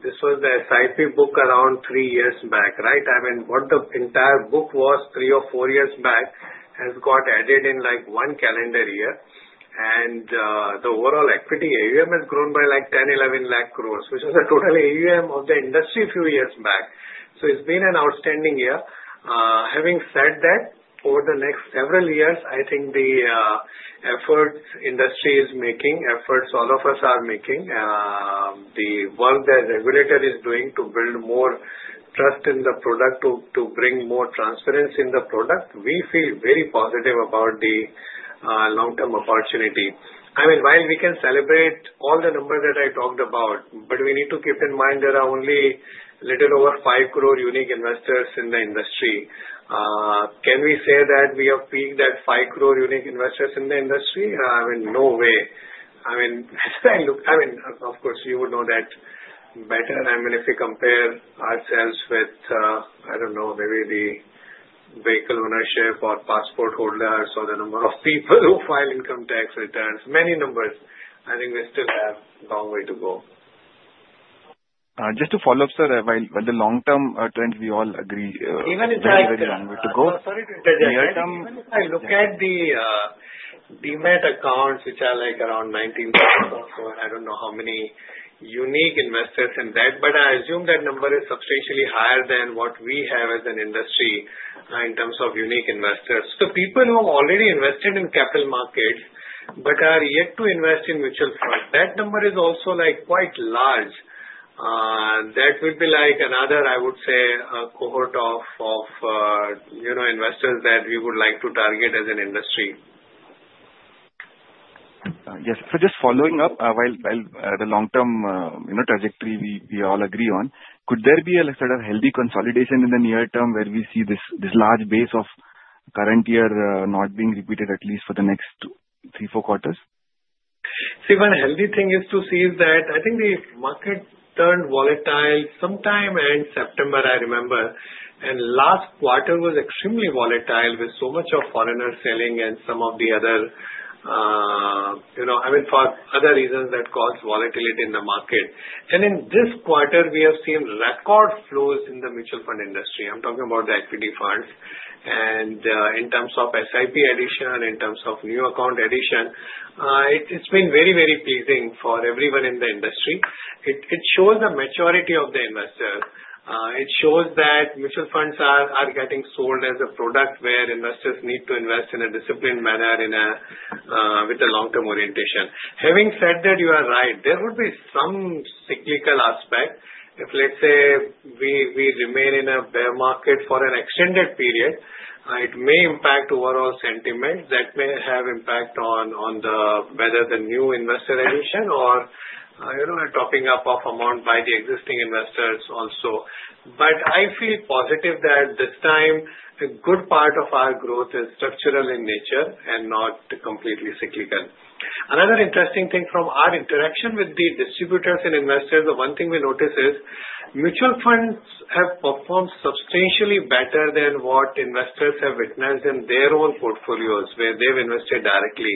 This was the SIP book around three years back, right? I mean, what the entire book was three or four years back has got added in like one calendar year. And the overall equity AUM has grown by like 10 to 11 lakh crores, which was the total AUM of the industry a few years back. So it's been an outstanding year. Having said that, over the next several years, I think the efforts industry is making, efforts all of us are making, the work that the regulator is doing to build more trust in the product, to bring more transparency in the product, we feel very positive about the long-term opportunity. I mean, while we can celebrate all the numbers that I talked about, but we need to keep in mind there are only a little over 5 crore unique investors in the industry. Can we say that we have peaked at 5 crore unique investors in the industry? I mean, no way. I mean, I mean, of course, you would know that better. I mean, if you compare ourselves with, I don't know, maybe the vehicle ownership or passport holders or the number of people who file income tax returns, many numbers, I think we still have a long way to go. Just to follow up, sir, while the long-term trend, we all agree. Even if there is a long way to go. Sorry to interject. Even if I look at the Demat accounts, which are like around 19,000 or so, and I don't know how many unique investors in that, but I assume that number is substantially higher than what we have as an industry in terms of unique investors. The people who have already invested in capital markets but are yet to invest in mutual funds, that number is also quite large. That would be like another, I would say, cohort of investors that we would like to target as an industry. Yes. So just following up, while the long-term trajectory we all agree on, could there be a sort of healthy consolidation in the near term where we see this large base of current year not being repeated, at least for the next three, four quarters? See, one healthy thing is to see that I think the market turned volatile sometime in September, I remember. And last quarter was extremely volatile with so much of foreigner selling and some of the other I mean, for other reasons that caused volatility in the market. And in this quarter, we have seen record flows in the mutual fund industry. I'm talking about the equity funds. And in terms of SIP addition, in terms of new account addition, it's been very, very pleasing for everyone in the industry. It shows the maturity of the investor. It shows that mutual funds are getting sold as a product where investors need to invest in a disciplined manner with a long-term orientation. Having said that, you are right. There would be some cyclical aspect. If, let's say, we remain in a bear market for an extended period, it may impact overall sentiment. That may have impact on whether the new investor addition or topping up of amount by the existing investors also. But I feel positive that this time, a good part of our growth is structural in nature and not completely cyclical. Another interesting thing from our interaction with the distributors and investors, the one thing we notice is mutual funds have performed substantially better than what investors have witnessed in their own portfolios where they've invested directly.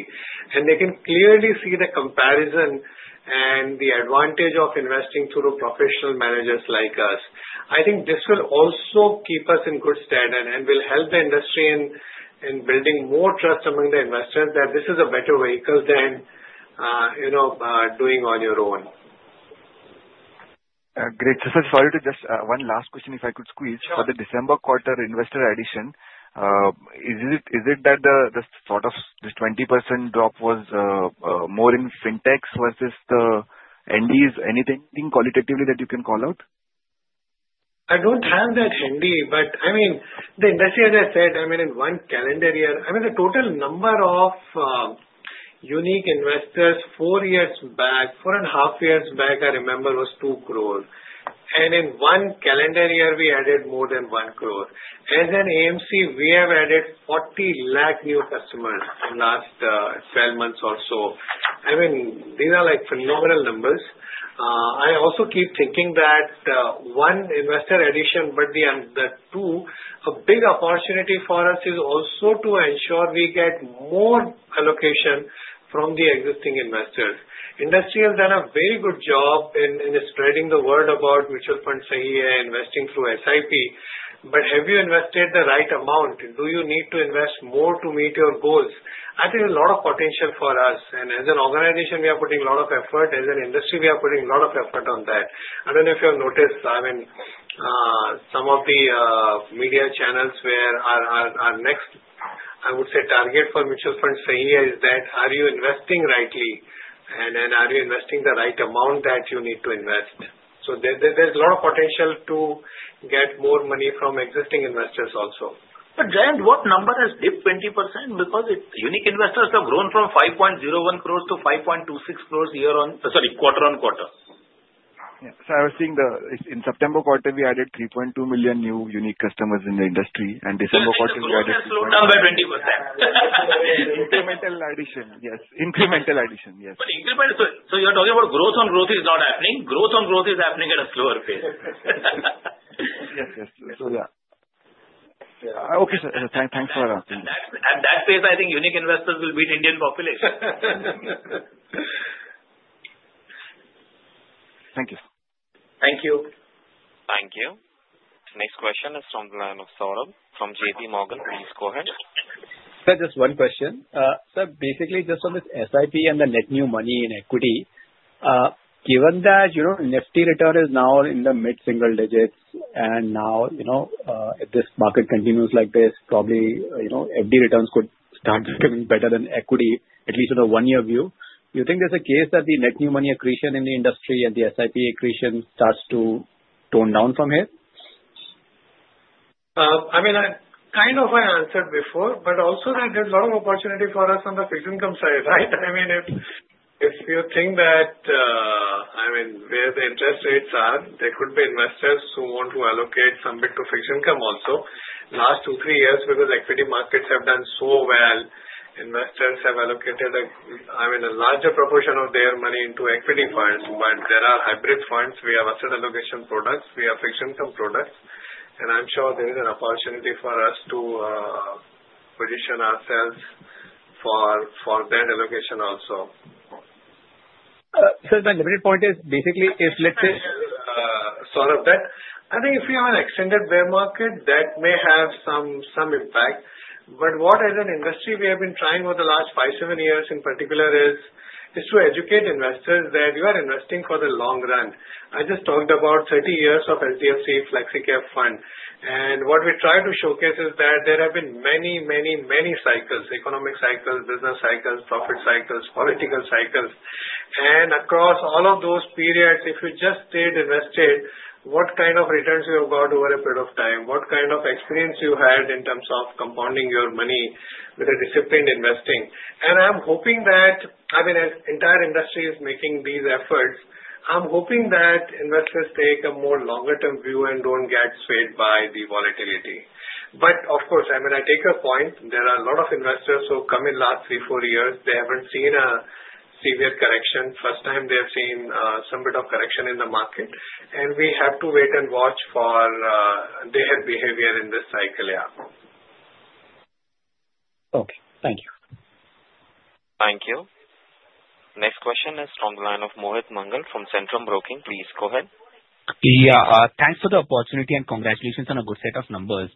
And they can clearly see the comparison and the advantage of investing through professional managers like us. I think this will also keep us in good stead and will help the industry in building more trust among the investors that this is a better vehicle than doing on your own. Great. Sir, sorry to just one last question, if I could squeeze. For the December quarter investor addition, is it that the sort of this 20% drop was more in fintechs versus the NDs? Anything qualitatively that you can call out? I don't have that handy. But I mean, the industry, as I said, I mean, in one calendar year, I mean, the total number of unique investors four years back, four and a half years back, I remember, was 2 crore. And in one calendar year, we added more than 1 crore. As an AMC, we have added 40 lakh new customers in the last 12 months or so. I mean, these are phenomenal numbers. I also keep thinking that one investor addition, but too, a big opportunity for us is also to ensure we get more allocation from the existing investors. The industry has done a very good job in spreading the word about Mutual Fund Sahi Hai, investing through SIP. But have you invested the right amount? Do you need to invest more to meet your goals? I think there's a lot of potential for us. As an organization, we are putting a lot of effort. As an industry, we are putting a lot of effort on that. I don't know if you have noticed, I mean, some of the media channels where our next, I would say, target for Mutual Fund Sahi Hai is that, "Are you investing rightly? And are you investing the right amount that you need to invest?" There's a lot of potential to get more money from existing investors also. But Jayant, what number has dipped 20%? Because unique investors have grown from 5.01 crores to 5.26 crores year on, sorry, quarter on quarter. Yeah. So I was seeing in the September quarter, we added 3.2 million new unique investors in the industry. And December quarter, we added 20. So you just slowed down by 20%. Incremental addition, yes. Incremental addition, yes. But incremental, so you're talking about growth on growth is not happening. Growth on growth is happening at a slower pace. Yes, yes. So yeah. Okay, sir. Thanks for asking. At that pace, I think unique investors will beat Indian population. Thank you. Thank you. Thank you. Next question is from the line of Saurabh from J.P. Morgan. Please go ahead. Sir, just one question. Sir, basically, just on this SIP and the net new money in equity, given that Nifty return is now in the mid-single digits, and now if this market continues like this, probably FD returns could start becoming better than equity, at least in the one-year view. Do you think there's a case that the net new money accretion in the industry and the SIP accretion starts to tone down from here? I mean, kind of I answered before, but also there's a lot of opportunity for us on the fixed income side, right? I mean, if you think that, I mean, where the interest rates are, there could be investors who want to allocate some bit to fixed income also. Last two, three years, because equity markets have done so well, investors have allocated, I mean, a larger proportion of their money into equity funds. But there are hybrid funds. We have asset allocation products. We have fixed income products. And I'm sure there is an opportunity for us to position ourselves for that allocation also. Sir, my limited point is basically if, let's say, that I think if you have an extended bear market, that may have some impact. But what, as an industry, we have been trying over the last five, seven years in particular, is to educate investors that you are investing for the long run. I just talked about 30 years of HDFC FlexiCap Fund. And what we try to showcase is that there have been many, many, many cycles: economic cycles, business cycles, profit cycles, political cycles. And across all of those periods, if you just stayed invested, what kind of returns you have got over a period of time? What kind of experience you had in terms of compounding your money with a disciplined investing? And I'm hoping that, I mean, as the entire industry is making these efforts, I'm hoping that investors take a more longer-term view and don't get swayed by the volatility. But of course, I mean, I take your point. There are a lot of investors who come in the last three, four years. They haven't seen a severe correction. First time they have seen some bit of correction in the market. And we have to wait and watch for their behavior in this cycle. Yeah. Okay. Thank you. Thank you. Next question is from the line of Mohit Mangal from Centrum Broking. Please go ahead. Yeah. Thanks for the opportunity and congratulations on a good set of numbers.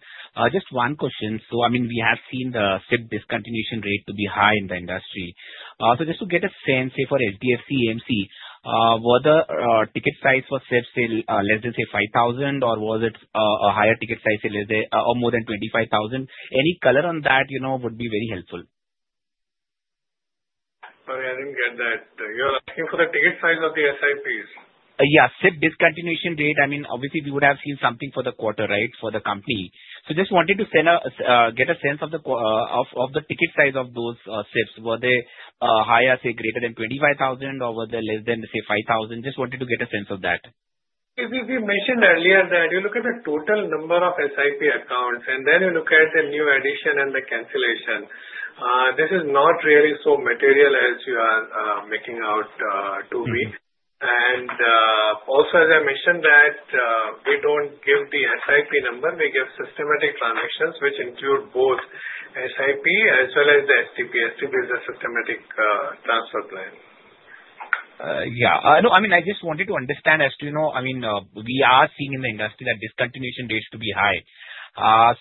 Just one question. So, I mean, we have seen the SIP discontinuation rate to be high in the industry. So just to get a sense, say, for HDFC AMC, were the ticket size for SIPs less than, say, 5,000, or was it a higher ticket size, say, or more than 25,000? Any color on that would be very helpful. Sorry, I didn't get that. You're asking for the ticket size of the SIPs? Yeah. SIP discontinuation rate, I mean, obviously, we would have seen something for the quarter, right, for the company. So just wanted to get a sense of the ticket size of those SIPs. Were they higher, say, greater than 25,000, or were they less than, say, 5,000? Just wanted to get a sense of that. We mentioned earlier that you look at the total number of SIP accounts, and then you look at the new addition and the cancellation. This is not really so material as you are making out to me, and also, as I mentioned, that we don't give the SIP number. We give systematic transactions, which include both SIP as well as the STP. STP is a systematic transfer plan. Yeah. No, I mean, I just wanted to understand, as you know, I mean, we are seeing in the industry that discontinuation rates to be high.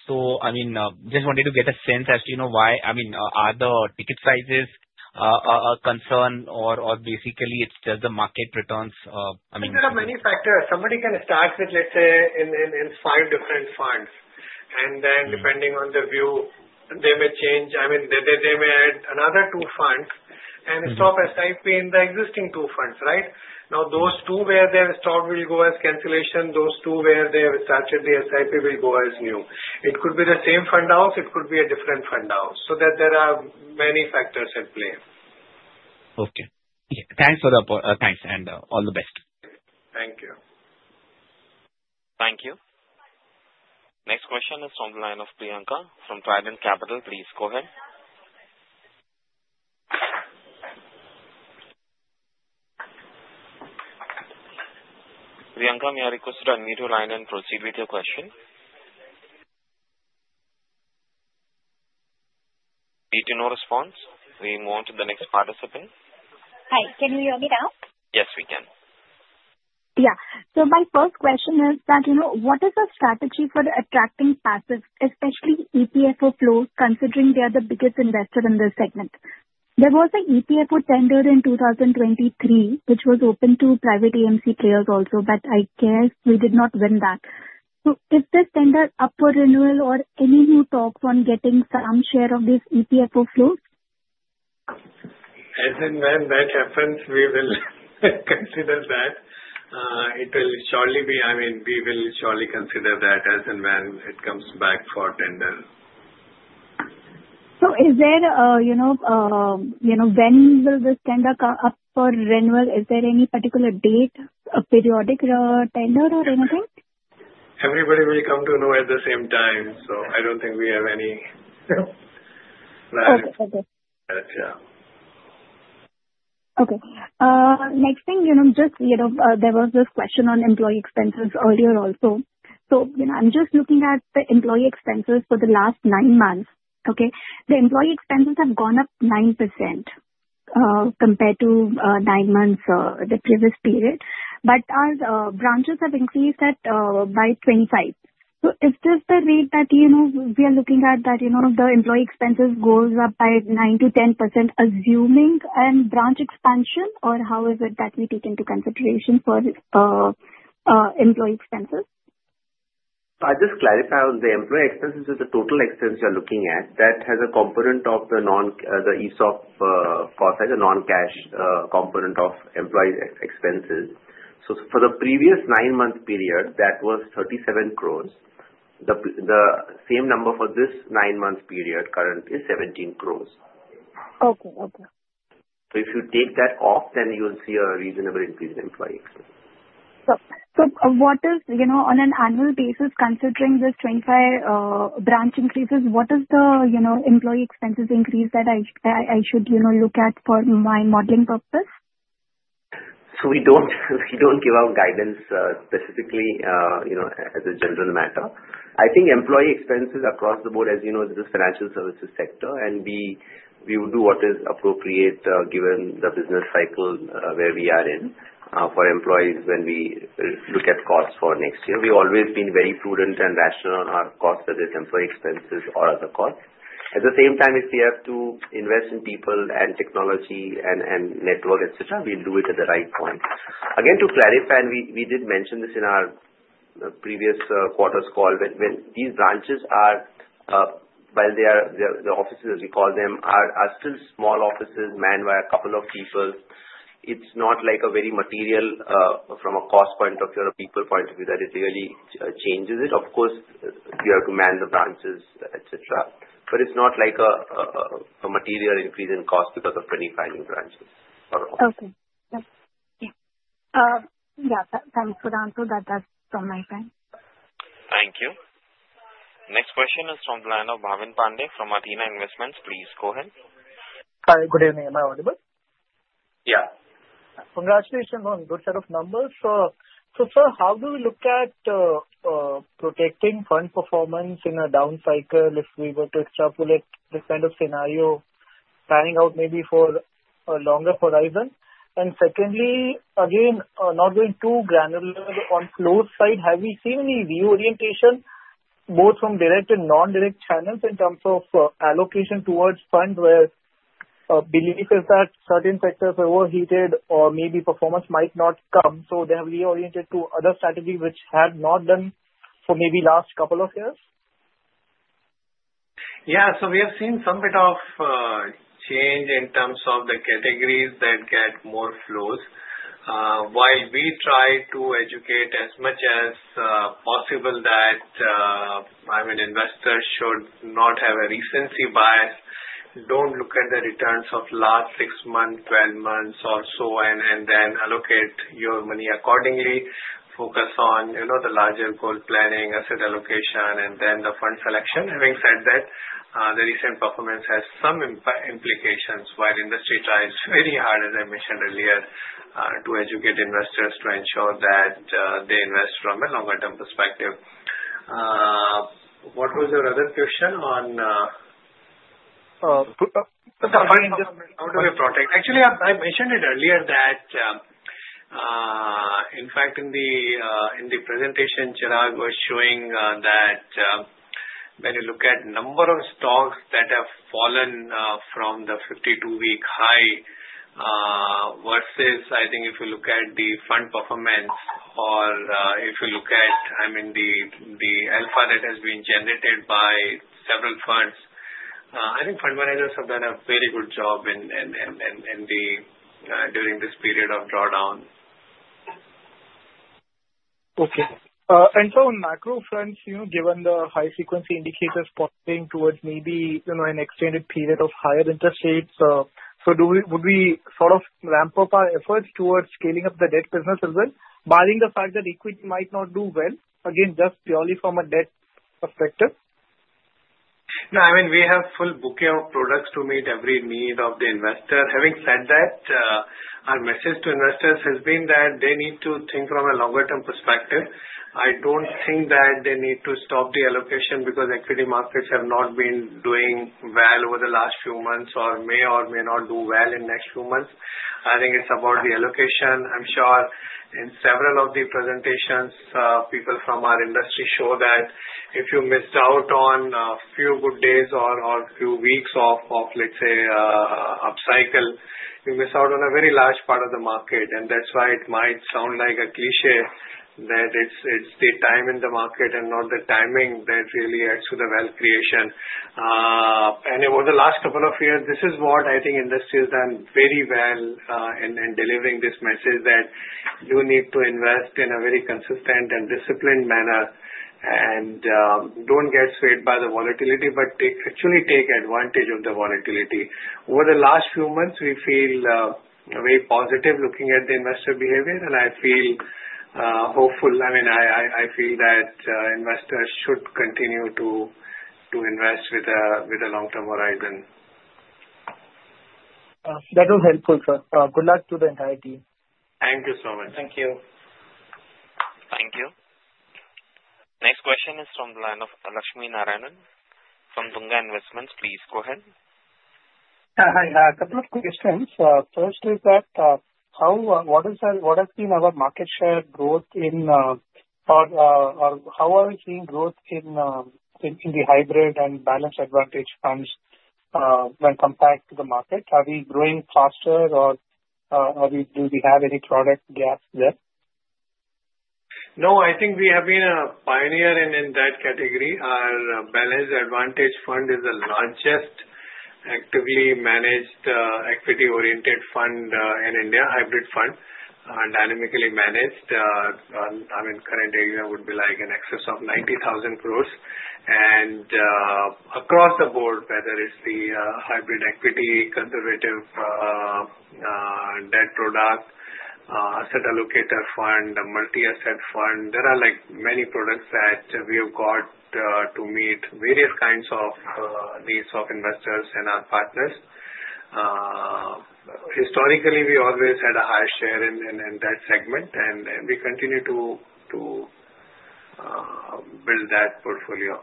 So, I mean, just wanted to get a sense, as you know, why, I mean, are the ticket sizes a concern, or basically, it's just the market returns? I mean. There are many factors. Somebody can start with, let's say, in five different funds, and then, depending on the view, they may change. I mean, they may add another two funds and stop SIP in the existing two funds, right? Now, those two where they have stopped will go as cancellation. Those two where they have started the SIP will go as new. It could be the same fund house. It could be a different fund house, so there are many factors at play. Okay. Thanks for the thanks, and all the best. Thank you. Thank you. Next question is from the line of Priyanka from Triton Capital. Please go ahead. Priyanka, may I request to unmute your line and proceed with your question? No response? We move on to the next participant. Hi. Can you hear me now? Yes, we can. Yeah. So my first question is that what is the strategy for attracting passive, especially EPFO flows, considering they are the biggest investor in this segment? There was an EPFO tender in 2023, which was open to private AMC players also, but I guess we did not win that. So is this tender up for renewal or any new talks on getting some share of these EPFO flows? As and when that happens, we will consider that. It will surely be, I mean, we will surely consider that as and when it comes back for tender. So is there a when will this tender come up for renewal? Is there any particular date, a periodic tender, or anything? Everybody will come to know at the same time. So I don't think we have any— Okay. Okay. Yeah. Okay. Next thing, just there was this question on employee expenses earlier also. So I'm just looking at the employee expenses for the last nine months, okay? The employee expenses have gone up 9% compared to nine months, the previous period. But our branches have increased that by 25. So is this the rate that we are looking at, that the employee expenses goes up by 9% to 10%, assuming a branch expansion? Or how is it that we take into consideration for employee expenses? I'll just clarify. The employee expenses is the total expense you're looking at. That has a component. The ESOP cost has a non-cash component of employee expenses. So for the previous nine-month period, that was 37 crores. The same number for this nine-month period currently is 17 crores. Okay. Okay. So if you take that off, then you'll see a reasonable increase in employee expenses. So what is, on an annual basis, considering this 25 branch increases, what is the employee expenses increase that I should look at for my modeling purpose? So we don't give out guidance specifically as a general matter. I think employee expenses across the board, as you know, is the financial services sector. And we will do what is appropriate given the business cycle where we are in for employees when we look at costs for next year. We've always been very prudent and rational on our costs, whether it's employee expenses or other costs. At the same time, if we have to invest in people and technology and network, etc., we'll do it at the right point. Again, to clarify, and we did mention this in our previous quarter's call, when these branches are, while they are the offices, as we call them, are still small offices manned by a couple of people, it's not like a very material from a cost point of view or a people point of view that it really changes it. Of course, you have to man the branches, etc. But it's not like a material increase in cost because of 25 new branches or. Okay. Yeah. Yeah. Yeah. Thanks, Sir. That's all my time. Thank you. Next question is from the line of Bhavin Pande from Athena Investments. Please go ahead. Hi. Good evening. Am I audible? Yeah. Congratulations on a good set of numbers. So, sir, how do we look at protecting fund performance in a down cycle if we were to extrapolate this kind of scenario, planning out maybe for a longer horizon? And secondly, again, not going too granular on flows side, have we seen any reorientation both from direct and non-direct channels in terms of allocation towards funds where belief is that certain sectors overheated or maybe performance might not come? So they have reoriented to other strategies which had not done for maybe the last couple of years? Yeah. So we have seen some bit of change in terms of the categories that get more flows. While we try to educate as much as possible that, I mean, investors should not have a recency bias, don't look at the returns of last six months, 12 months, or so, and then allocate your money accordingly. Focus on the larger goal planning, asset allocation, and then the fund selection. Having said that, the recent performance has some implications, while industry tries very hard, as I mentioned earlier, to educate investors to ensure that they invest from a longer-term perspective. What was your other question on? How do we protect? Actually, I mentioned it earlier that, in fact, in the presentation, Chirag was showing that when you look at the number of stocks that have fallen from the 52-week high versus, I think, if you look at the fund performance or if you look at, I mean, the alpha that has been generated by several funds, I think fund managers have done a very good job during this period of drawdown. Okay. And so on macro fronts, given the high-frequency indicators pointing towards maybe an extended period of higher interest rates, so would we sort of ramp up our efforts towards scaling up the debt business as well, barring the fact that equity might not do well, again, just purely from a debt perspective? No, I mean, we have full booking of products to meet every need of the investor. Having said that, our message to investors has been that they need to think from a longer-term perspective. I don't think that they need to stop the allocation because equity markets have not been doing well over the last few months or may or may not do well in the next few months. I think it's about the allocation. I'm sure in several of the presentations, people from our industry show that if you missed out on a few good days or a few weeks of, let's say, up cycle, you miss out on a very large part of the market. And that's why it might sound like a cliché that it's the time in the market and not the timing that really adds to the wealth creation. And over the last couple of years, this is what I think industry has done very well in delivering this message that you need to invest in a very consistent and disciplined manner and don't get swayed by the volatility but actually take advantage of the volatility. Over the last few months, we feel very positive looking at the investor behavior, and I feel hopeful. I mean, I feel that investors should continue to invest with a long-term horizon. That was helpful, sir. Good luck to the entire team. Thank you so much. Thank you. Thank you. Next question is from the line of Lakshmi Narayanan from Tunga Investments. Please go ahead. Hi. A couple of questions. First is that what has been our market share growth in or how are we seeing growth in the hybrid and balanced advantage funds when compared to the market? Are we growing faster, or do we have any product gaps there? No, I think we have been a pioneer in that category. Our Balanced Advantage Fund is the largest actively managed equity-oriented fund in India, hybrid fund, dynamically managed. I mean, current AUM would be like an excess of 90,000 crores. And across the board, whether it's the hybrid equity, conservative debt product, asset allocator fund, multi-asset fund, there are many products that we have got to meet various kinds of needs of investors and our partners. Historically, we always had a high share in that segment, and we continue to build that portfolio.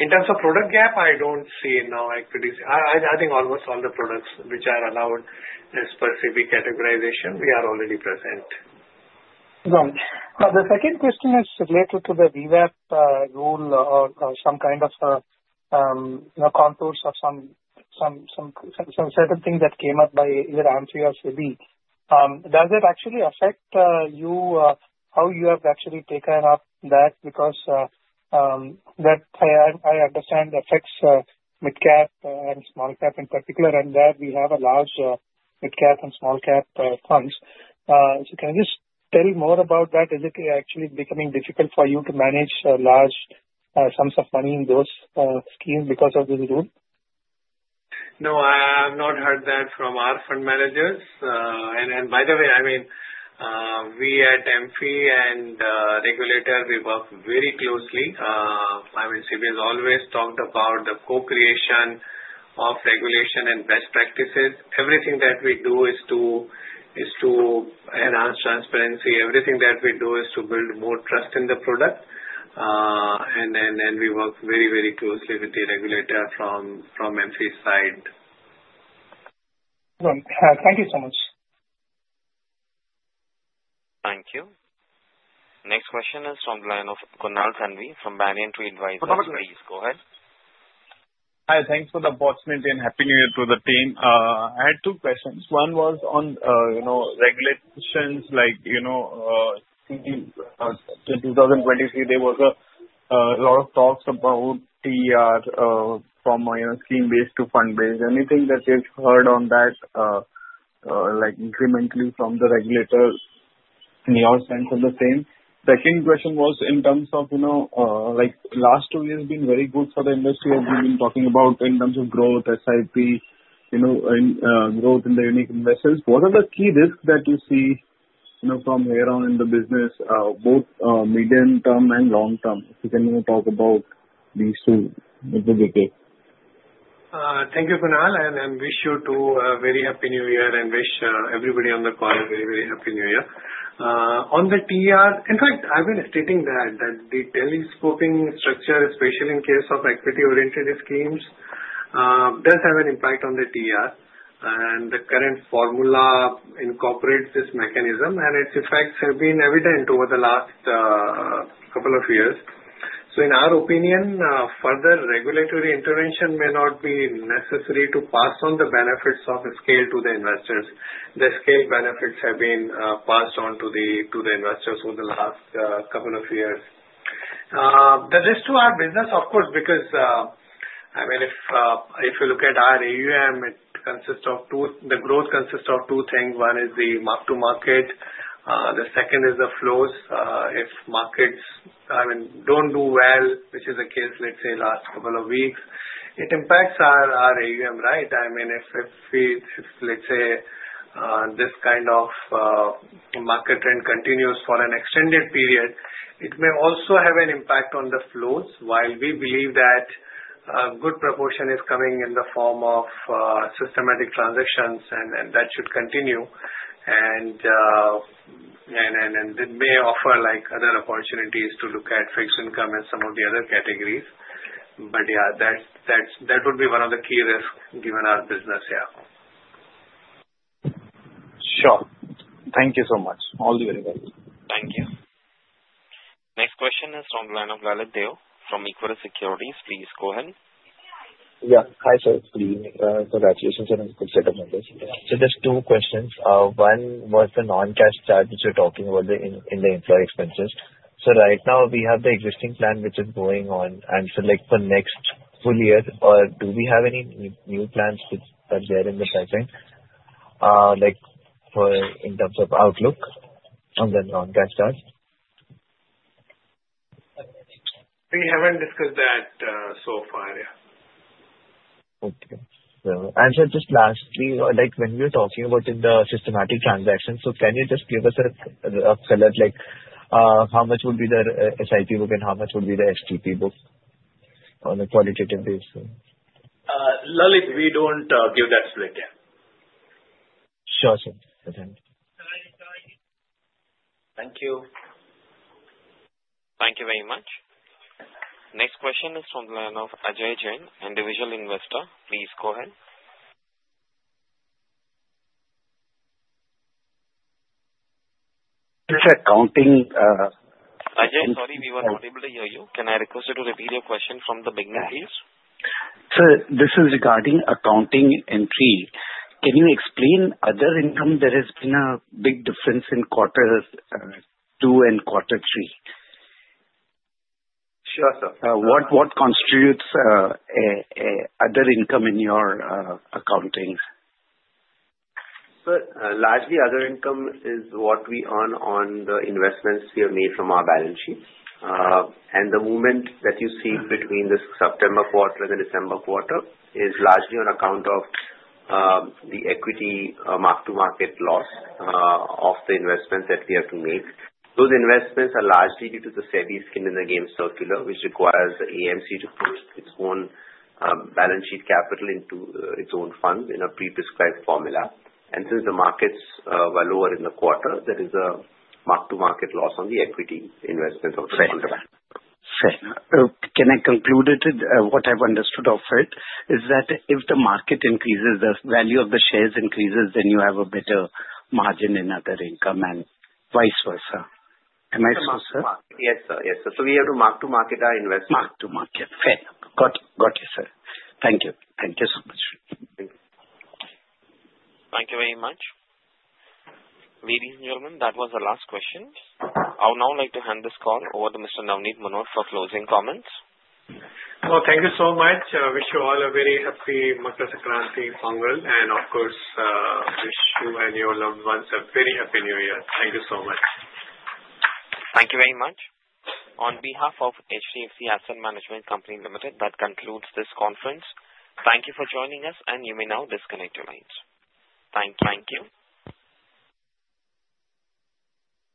In terms of product gap, I don't see now equity. I think almost all the products which are allowed as per SEBI categorization, we are already present. Right. The second question is related to the VWAP rule or some kind of contours of some certain things that came up by either Ananth Narayan or SEBI. Does it actually affect you how you have actually taken up that? Because that, I understand, affects mid-cap and small-cap in particular, and that we have a large mid-cap and small-cap funds. So can you just tell more about that? Is it actually becoming difficult for you to manage large sums of money in those schemes because of this rule? No, I have not heard that from our fund managers. And by the way, I mean, we at AMFI and regulator, we work very closely. I mean, SEBI has always talked about the co-creation of regulation and best practices. Everything that we do is to enhance transparency. Everything that we do is to build more trust in the product. And then we work very, very closely with the regulator from AMFI's side. Thank you so much. Thank you. Next question is from the line of Kunal Thanvi from Banyan Tree Advisory. Please go ahead. Hi. Thanks for the appointment, and happy New Year to the team. I had two questions. One was on regulations like in 2023, there was a lot of talks about TER from a scheme-based to fund-based. Anything that you've heard on that incrementally from the regulator in your sense of the same? Second question was in terms of last two years being very good for the industry as we've been talking about in terms of growth, SIP, growth in the unique investors. What are the key risks that you see from here on in the business, both medium term and long term? If you can talk about these two with the details. Thank you, Kunal. And I wish you too a very happy New Year and wish everybody on the call a very, very happy New Year. On the TER, in fact, I've been stating that the telescoping structure, especially in case of equity-oriented schemes, does have an impact on the TER. And the current formula incorporates this mechanism, and its effects have been evident over the last couple of years. So in our opinion, further regulatory intervention may not be necessary to pass on the benefits of the scale to the investors. The scale benefits have been passed on to the investors over the last couple of years. The rest of our business, of course, because I mean, if you look at our AUM, the growth consists of two things. One is the mark-to-market. The second is the flows. If markets, I mean, don't do well, which is the case, let's say, last couple of weeks, it impacts our AUM, right? I mean, if, let's say, this kind of market trend continues for an extended period, it may also have an impact on the flows. While we believe that a good proportion is coming in the form of systematic transactions, and that should continue. And it may offer other opportunities to look at fixed income and some of the other categories. But yeah, that would be one of the key risks given our business here. Sure. Thank you so much. All the very best. Thank you. Next question is from the line of Lalit Deo from Equirus Securities. Please go ahead. Yeah. Hi, sir. Congratulations on a good set of numbers. So there's two questions. One was the non-cash charge which you're talking about in the employee expenses. So right now, we have the existing plan which is going on. And so for next full year, do we have any new plans that are there in the pipeline in terms of outlook on the non-cash charge? We haven't discussed that so far. Yeah. Okay. So, answer just lastly, when you're talking about the systematic transactions, so can you just give us a color on how much would be the SIP book and how much would be the STP book on a qualitative basis? Lalit, we don't give that split yet. Sure, sir. Thank you. Thank you very much. Next question is from the line of Ajay Jain, individual investor. Please go ahead. It's accounting. Ajay, sorry, we were not able to hear you. Can I request you to repeat your question from the beginning, please? Sir, this is regarding accounting entry. Can you explain other income? There has been a big difference in quarter two and quarter three. Sure, sir. What constitutes other income in your accounting? Sir, largely other income is what we earn on the investments we have made from our balance sheet. The movement that you see between the September quarter and the December quarter is largely on account of the equity mark-to-market loss of the investments that we have to make. Those investments are largely due to the SEBI skin-in-the-game circular, which requires the AMC to put its own balance sheet capital into its own funds in a prescribed formula. Since the markets were lower in the quarter, there is a mark-to-market loss on the equity investments of the fund. Okay. Can I conclude it? What I've understood of it is that if the market increases, the value of the shares increases, then you have a better margin in other income and vice versa. Am I supposed to? Yes, sir. Yes, sir. So we have to mark-to-market our investments. Mark-to-market. Fair. Got you, sir. Thank you. Thank you so much. Thank you. Thank you very much. Ladies and gentlemen, that was the last question. I would now like to hand this call over to Mr. Navneet Munot for closing comments. Thank you so much. I wish you all a very happy Makar Sankranti Pongal, and of course, wish you and your loved ones a very happy New Year. Thank you so much. Thank you very much. On behalf of HDFC Asset Management Company Limited, that concludes this conference. Thank you for joining us, and you may now disconnect your lines. Thank you.